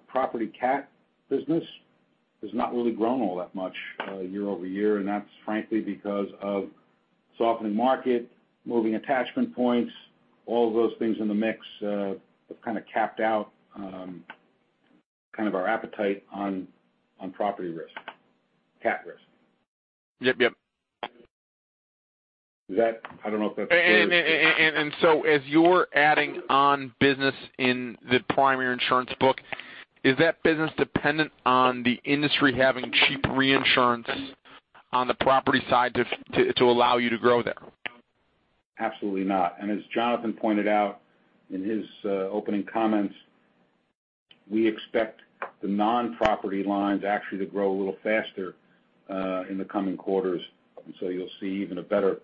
property cat business has not really grown all that much year-over-year, and that's frankly because of softening market, moving attachment points, all of those things in the mix have kind of capped out our appetite on property risk, cat risk. Yep. I don't know if that's clear. As you're adding on business in the primary insurance book, is that business dependent on the industry having cheap reinsurance on the property side to allow you to grow there? Absolutely not. As Jonathan pointed out in his opening comments, we expect the non-property lines actually to grow a little faster in the coming quarters. You'll see even a better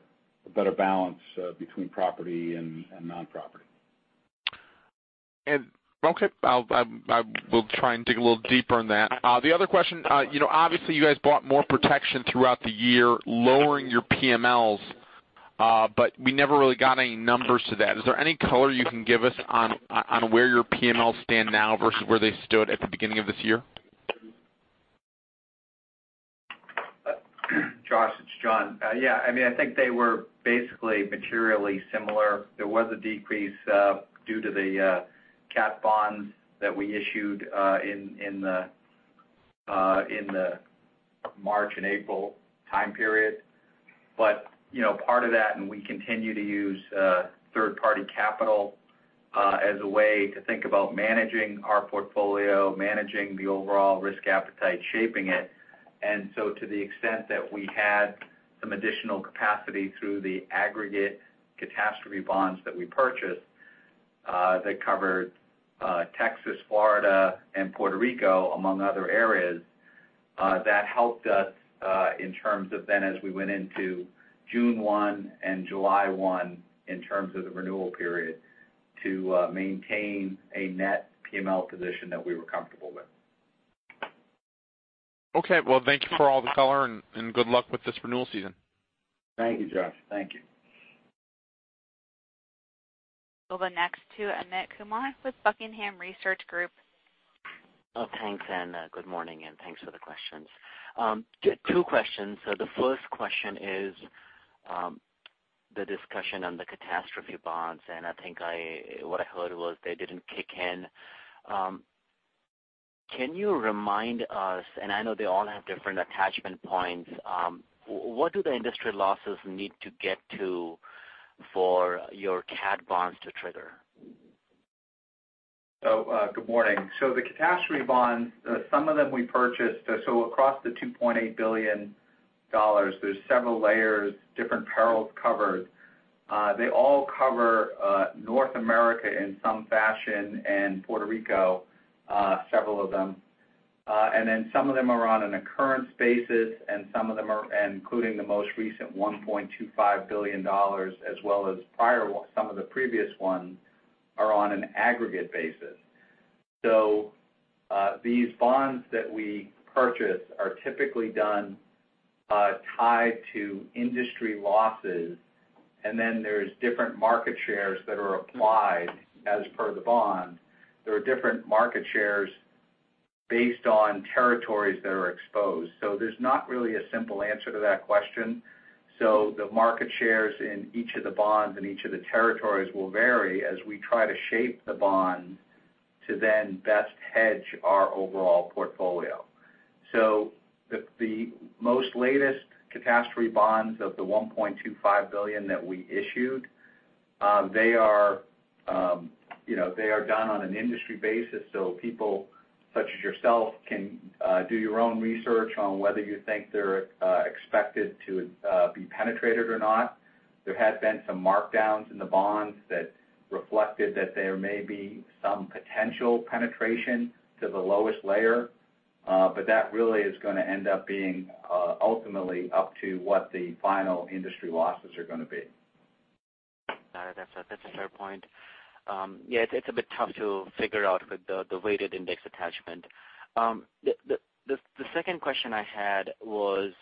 balance between property and non-property. Okay. We'll try and dig a little deeper on that. The other question, obviously you guys bought more protection throughout the year, lowering your PMLs, but we never really got any numbers to that. Is there any color you can give us on where your PMLs stand now versus where they stood at the beginning of this year? Josh, it's John. Yeah, I think they were basically materially similar. There was a decrease due to the cat bonds that we issued in the March and April time period. Part of that, and we continue to use third-party capital as a way to think about managing our portfolio, managing the overall risk appetite, shaping it. To the extent that we had some additional capacity through the aggregate catastrophe bonds that we purchased, that covered Texas, Florida, and Puerto Rico, among other areas, that helped us in terms of then as we went into June one and July one, in terms of the renewal period, to maintain a net PML position that we were comfortable with. Okay. Well, thank you for all the color and good luck with this renewal season. Thank you, Josh. Thank you. We will go next to Amit Kumar with Buckingham Research Group. Thanks, good morning, thanks for the questions. Two questions. The first question is the discussion on the catastrophe bonds, I think what I heard was they didn't kick in. Can you remind us, I know they all have different attachment points, what do the industry losses need to get to for your cat bonds to trigger? Good morning. The catastrophe bonds, some of them we purchased. Across the $2.8 billion, there's several layers, different perils covered. They all cover North America in some fashion, and Puerto Rico, several of them. Some of them are on an occurrence basis, and some of them are, including the most recent $1.25 billion, as well as some of the previous ones, are on an aggregate basis. These bonds that we purchase are typically done tied to industry losses, there's different market shares that are applied as per the bond. There are different market shares based on territories that are exposed. There's not really a simple answer to that question. The market shares in each of the bonds and each of the territories will vary as we try to shape the bond to then best hedge our overall portfolio. The most latest catastrophe bonds of the $1.25 billion that we issued, they are done on an industry basis, people such as yourself can do your own research on whether you think they're expected to be penetrated or not. There has been some markdowns in the bonds that reflected that there may be some potential penetration to the lowest layer. That really is going to end up being ultimately up to what the final industry losses are going to be. Got it. That's a fair point. It's a bit tough to figure out with the weighted index attachment. The second question I had was,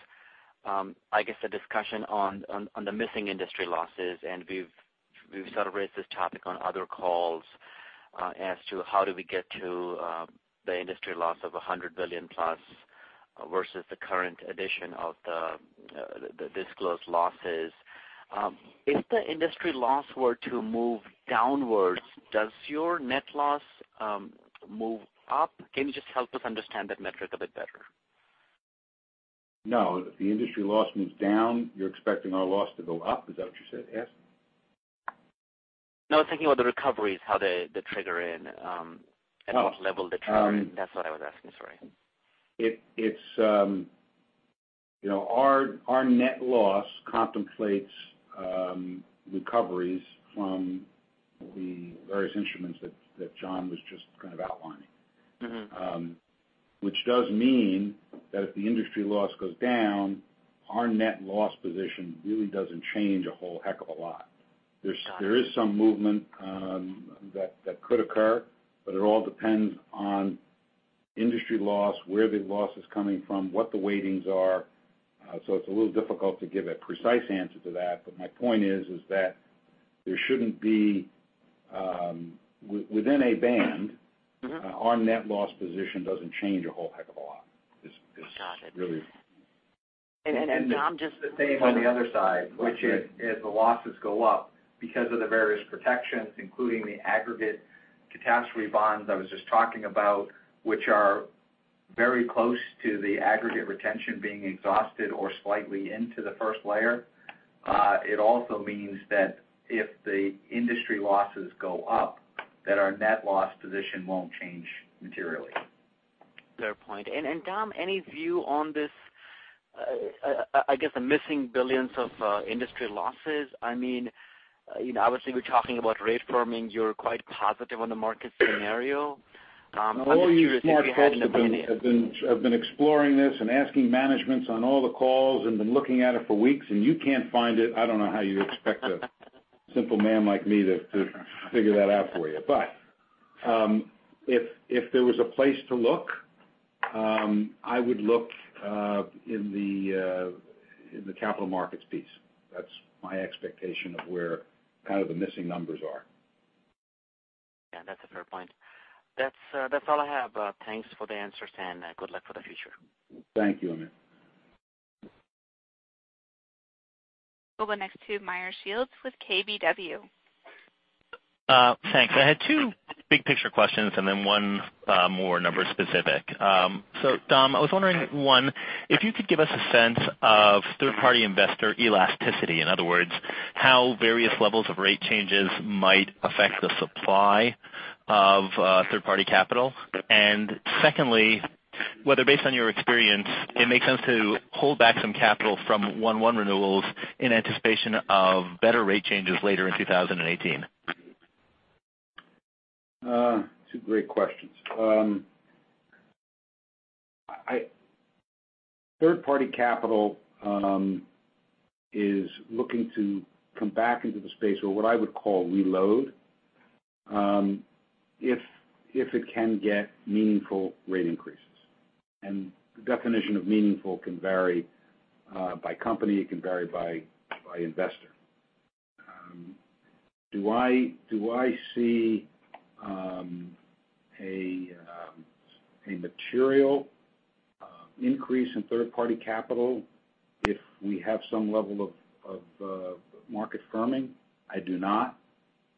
I guess a discussion on the missing industry losses, and we've sort of raised this topic on other calls as to how do we get to the industry loss of $100 billion-plus versus the current addition of the disclosed losses. If the industry loss were to move downwards, does your net loss move up? Can you just help us understand that metric a bit better? No. If the industry loss moves down, you're expecting our loss to go up. Is that what you said, Amit? No, I was thinking about the recoveries, how they trigger in and what level they trigger in. That's what I was asking, sorry. Our net loss contemplates recoveries from the various instruments that John was just kind of outlining. Which does mean that if the industry loss goes down, our net loss position really doesn't change a whole heck of a lot. There is some movement that could occur, but it all depends on industry loss, where the loss is coming from, what the weightings are. It's a little difficult to give a precise answer to that. My point is that there shouldn't be. Our net loss position doesn't change a whole heck of a lot. Got it. Dom. The same on the other side, which is the losses go up because of the various protections, including the aggregate catastrophe bonds I was just talking about, which are very close to the aggregate retention being exhausted or slightly into the first layer. It also means that if the industry losses go up, that our net loss position won't change materially. Fair point. Dom, any view on this, I guess, the missing billions of industry losses? Obviously, we're talking about rate firming. You're quite positive on the market scenario. I'm just curious if you had an opinion. All you smart folks have been exploring this and asking managements on all the calls and been looking at it for weeks, and you can't find it. I don't know how you expect a simple man like me to figure that out for you. If there was a place to look, I would look in the capital markets piece. That's my expectation of where kind of the missing numbers are. Yeah, that's a fair point. That's all I have. Thanks for the answers, and good luck for the future. Thank you, Amit. We'll go next to Meyer Shields with KBW. Thanks. I had two big picture questions and then one more number specific. Dom, I was wondering, one, if you could give us a sense of third-party investor elasticity. In other words, how various levels of rate changes might affect the supply of third-party capital. Secondly, whether based on your experience, it makes sense to hold back some capital from 1/1 renewals in anticipation of better rate changes later in 2018. Two great questions. Third-party capital is looking to come back into the space or what I would call reload, if it can get meaningful rate increases. The definition of meaningful can vary by company, it can vary by investor. Do I see a material increase in third-party capital if we have some level of market firming? I do not.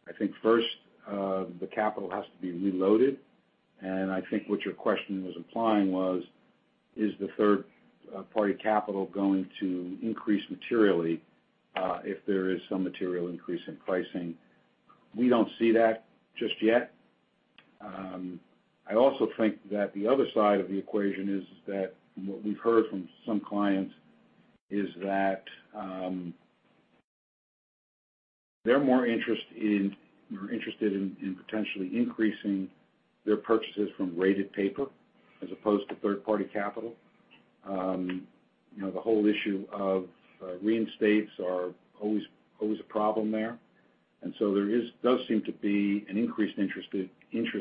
I think first the capital has to be reloaded, I think what your question was implying was, is the third-party capital going to increase materially if there is some material increase in pricing? We don't see that just yet. I also think the other side of the equation is that what we've heard from some clients is that they're more interested in potentially increasing their purchases from rated paper as opposed to third-party capital. The whole issue of reinstates are always a problem there. There does seem to be an increased interest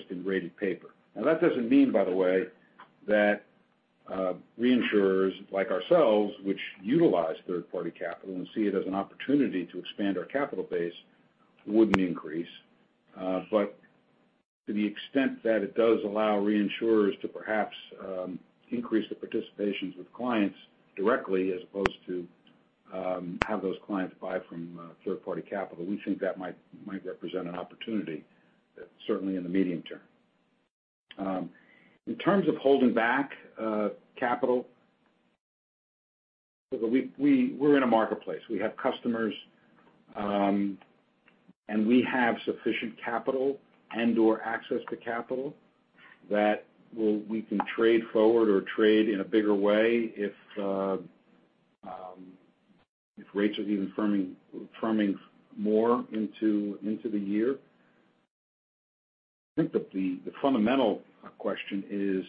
in rated paper. Now, that doesn't mean, by the way, that reinsurers like ourselves, which utilize third-party capital and see it as an opportunity to expand our capital base, wouldn't increase. To the extent that it does allow reinsurers to perhaps increase the participations with clients directly as opposed to have those clients buy from third-party capital, we think that might represent an opportunity, certainly in the medium term. In terms of holding back capital, we're in a marketplace. We have customers, and we have sufficient capital and/or access to capital that we can trade forward or trade in a bigger way if rates are even firming more into the year. I think that the fundamental question is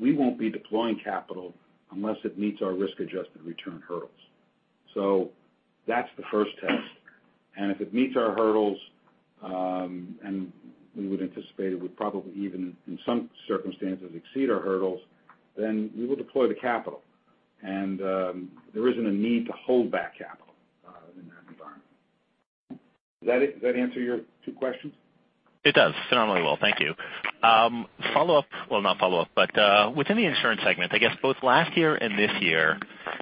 we won't be deploying capital unless it meets our risk-adjusted return hurdles. That's the first test. If it meets our hurdles, and we would anticipate it would probably even, in some circumstances, exceed our hurdles, then we will deploy the capital. There isn't a need to hold back capital in that environment. Does that answer your two questions? It does phenomenally well. Thank you. Follow-up, well, not follow-up, but within the insurance segment, I guess both last year and this year,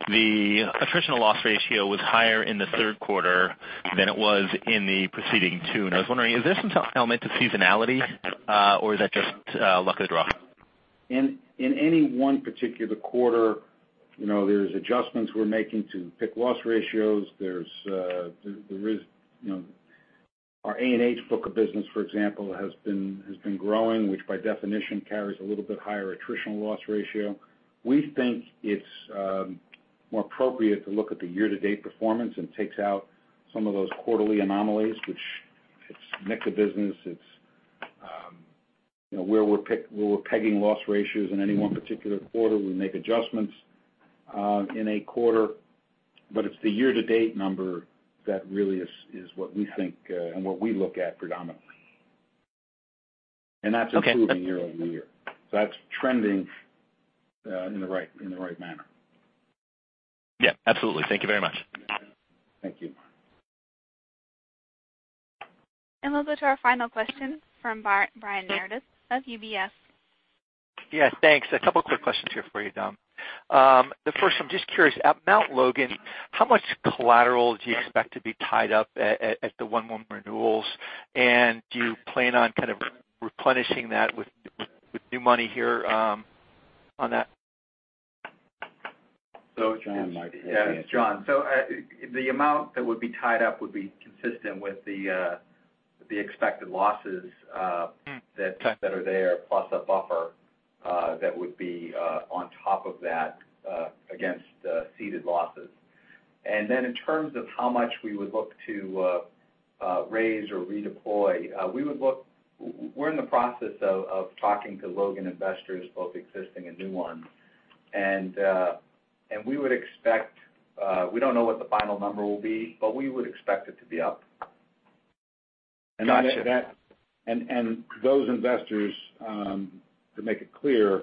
the attritional loss ratio was higher in the third quarter than it was in the preceding two. I was wondering, is this an element of seasonality or is that just luck of the draw? In any one particular quarter, there's adjustments we're making to pick loss ratios. Our A&H book of business, for example, has been growing, which by definition carries a little bit higher attritional loss ratio. We think it's more appropriate to look at the year-to-date performance and takes out some of those quarterly anomalies, which its mix of business, it's where we're pegging loss ratios in any one particular quarter. We make adjustments in a quarter. It's the year-to-date number that really is what we think and what we look at predominantly. That's improving year-over-year. That's trending in the right manner. Yeah, absolutely. Thank you very much. Thank you. We'll go to our final question from Brian Meredith of UBS. Yeah, thanks. A couple quick questions here for you, Dom. The first, I'm just curious, at Mount Logan, how much collateral do you expect to be tied up at the 1/1 renewals, and do you plan on kind of replenishing that with new money here on that? John might have the answer. Yeah, John. The amount that would be tied up would be consistent with the expected losses that are there, plus a buffer that would be on top of that against ceded losses. In terms of how much we would look to raise or redeploy, we're in the process of talking to Logan investors, both existing and new ones. We would expect, we don't know what the final number will be, but we would expect it to be up. Those investors, to make it clear,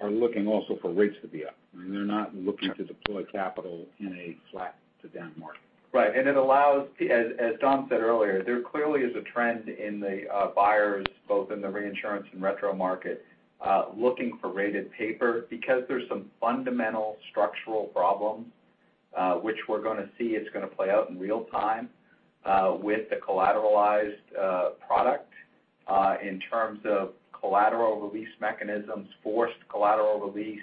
are looking also for rates to be up. I mean, they're not looking to deploy capital in a flat to down market. Right. It allows, as Dom said earlier, there clearly is a trend in the buyers, both in the reinsurance and retro market, looking for rated paper because there's some fundamental structural problems, which we're going to see. It's going to play out in real time with the collateralized product in terms of collateral release mechanisms, forced collateral release.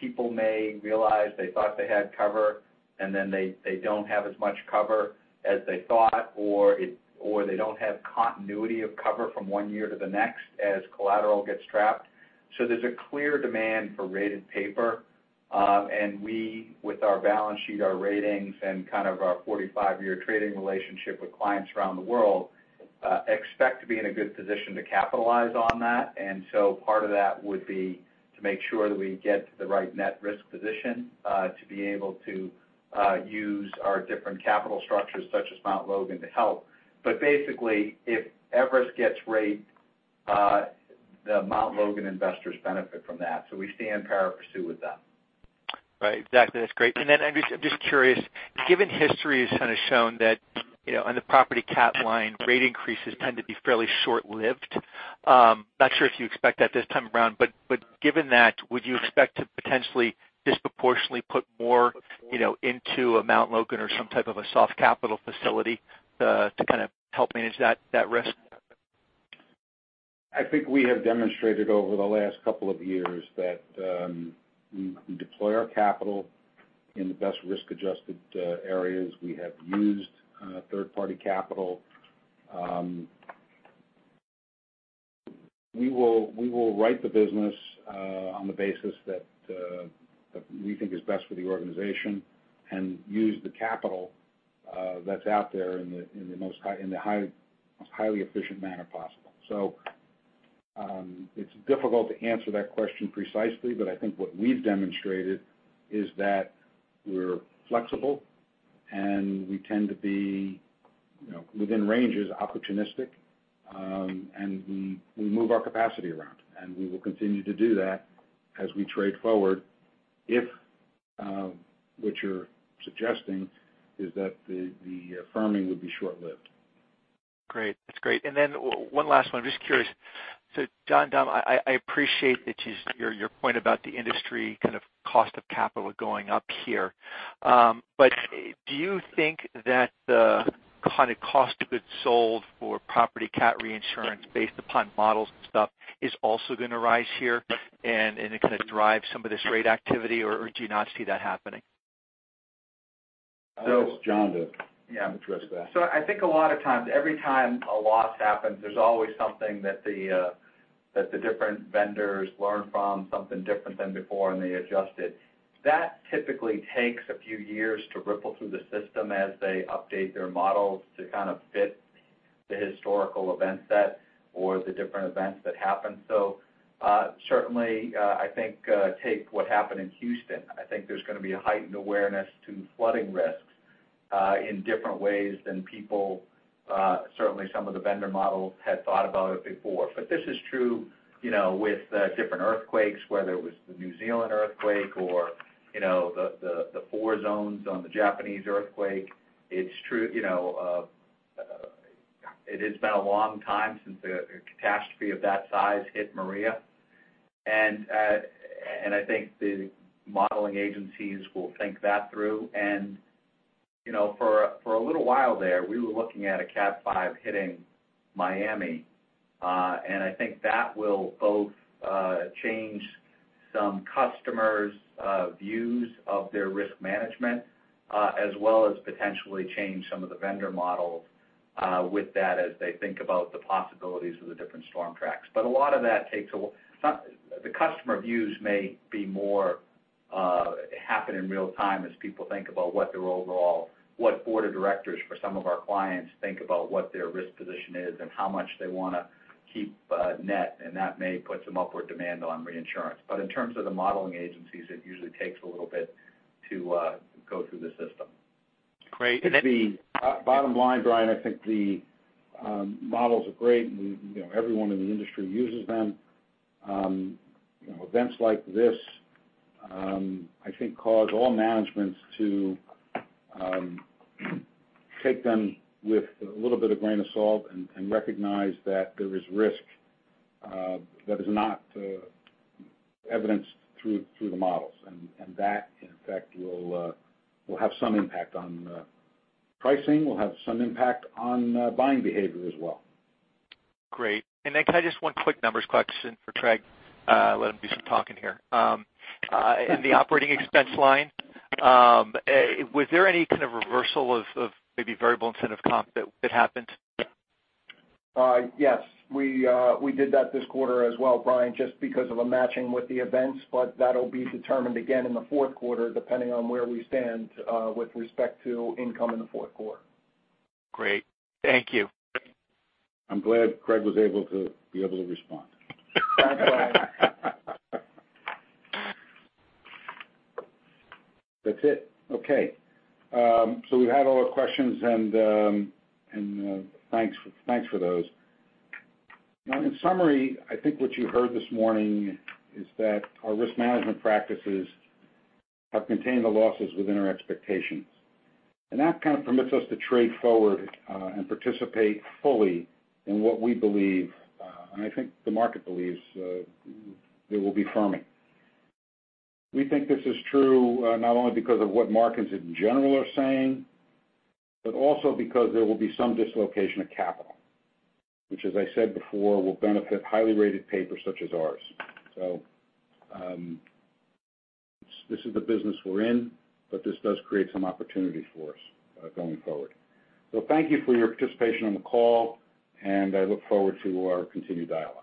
People may realize they thought they had cover and then they don't have as much cover as they thought, or they don't have continuity of cover from one year to the next as collateral gets trapped. There's a clear demand for rated paper. We, with our balance sheet, our ratings, and kind of our 45-year trading relationship with clients around the world expect to be in a good position to capitalize on that. Part of that would be to make sure that we get to the right net risk position to be able to use our different capital structures, such as Mount Logan, to help. Basically, if Everest gets rate, the Mount Logan investors benefit from that. We stay in pari passu with them. Right. Exactly. That's great. I'm just curious, given history has kind of shown that on the property cat line, rate increases tend to be fairly short-lived. Not sure if you expect that this time around, but given that, would you expect to potentially disproportionately put more into a Mount Logan or some type of a soft capital facility to kind of help manage that risk? I think we have demonstrated over the last couple of years that we deploy our capital in the best risk adjusted areas. We have used third party capital. We will write the business on the basis that we think is best for the organization and use the capital that's out there in the most highly efficient manner possible. It's difficult to answer that question precisely, but I think what we've demonstrated is that we're flexible and we tend to be within ranges, opportunistic, and we move our capacity around, and we will continue to do that as we trade forward if what you're suggesting is that the firming would be short-lived. Great. That's great. One last one. I'm just curious. John, Dom, I appreciate your point about the industry kind of cost of capital going up here. Do you think that the kind of cost of goods sold for property cat reinsurance based upon models and stuff is also going to rise here and it going to drive some of this rate activity, or do you not see that happening? I'll ask John to address that. I think a lot of times, every time a loss happens, there's always something that the different vendors learn from something different than before, and they adjust it. That typically takes a few years to ripple through the system as they update their models to kind of fit the historical event set or the different events that happen. Certainly, I think take what happened in Houston. I think there's going to be a heightened awareness to flooding risks in different ways than people, certainly some of the vendor models had thought about it before. This is true with the different earthquakes, whether it was the New Zealand earthquake or the four zones on the Japanese earthquake. It has been a long time since a catastrophe of that size hit Maria. I think the modeling agencies will think that through. For a little while there, we were looking at a Cat 5 hitting Miami. I think that will both change some customers' views of their risk management as well as potentially change some of the vendor models with that as they think about the possibilities of the different storm tracks. A lot of that takes a while. The customer views may be more happen in real time as people think about what their overall, what board of directors for some of our clients think about what their risk position is and how much they want to keep net, and that may put some upward demand on reinsurance. In terms of the modeling agencies, it usually takes a little bit to go through the system. Great. The bottom line, Brian, I think the models are great and everyone in the industry uses them. Events like this, I think, cause all managements to take them with a little bit of grain of salt and recognize that there is risk that is not evidenced through the models. And that, in fact, will have some impact on pricing, will have some impact on buying behavior as well. Next, I just one quick numbers question for Craig. Let him do some talking here. In the operating expense line, was there any kind of reversal of maybe variable incentive comp that happened? Yes. We did that this quarter as well, Brian, just because of a matching with the events. But that'll be determined again in the fourth quarter, depending on where we stand with respect to income in the fourth quarter. Great. Thank you. I'm glad Craig was able to respond. That's it. Okay. We've had all our questions and thanks for those. Now, in summary, I think what you heard this morning is that our risk management practices have contained the losses within our expectations. That kind of permits us to trade forward and participate fully in what we believe, and I think the market believes, there will be firming. We think this is true not only because of what markets in general are saying, but also because there will be some dislocation of capital. Which, as I said before, will benefit highly rated paper such as ours. This is the business we're in, but this does create some opportunities for us going forward. Thank you for your participation on the call, and I look forward to our continued dialogue.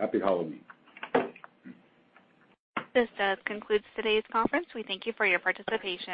Happy holidays. This does conclude today's conference. We thank you for your participation.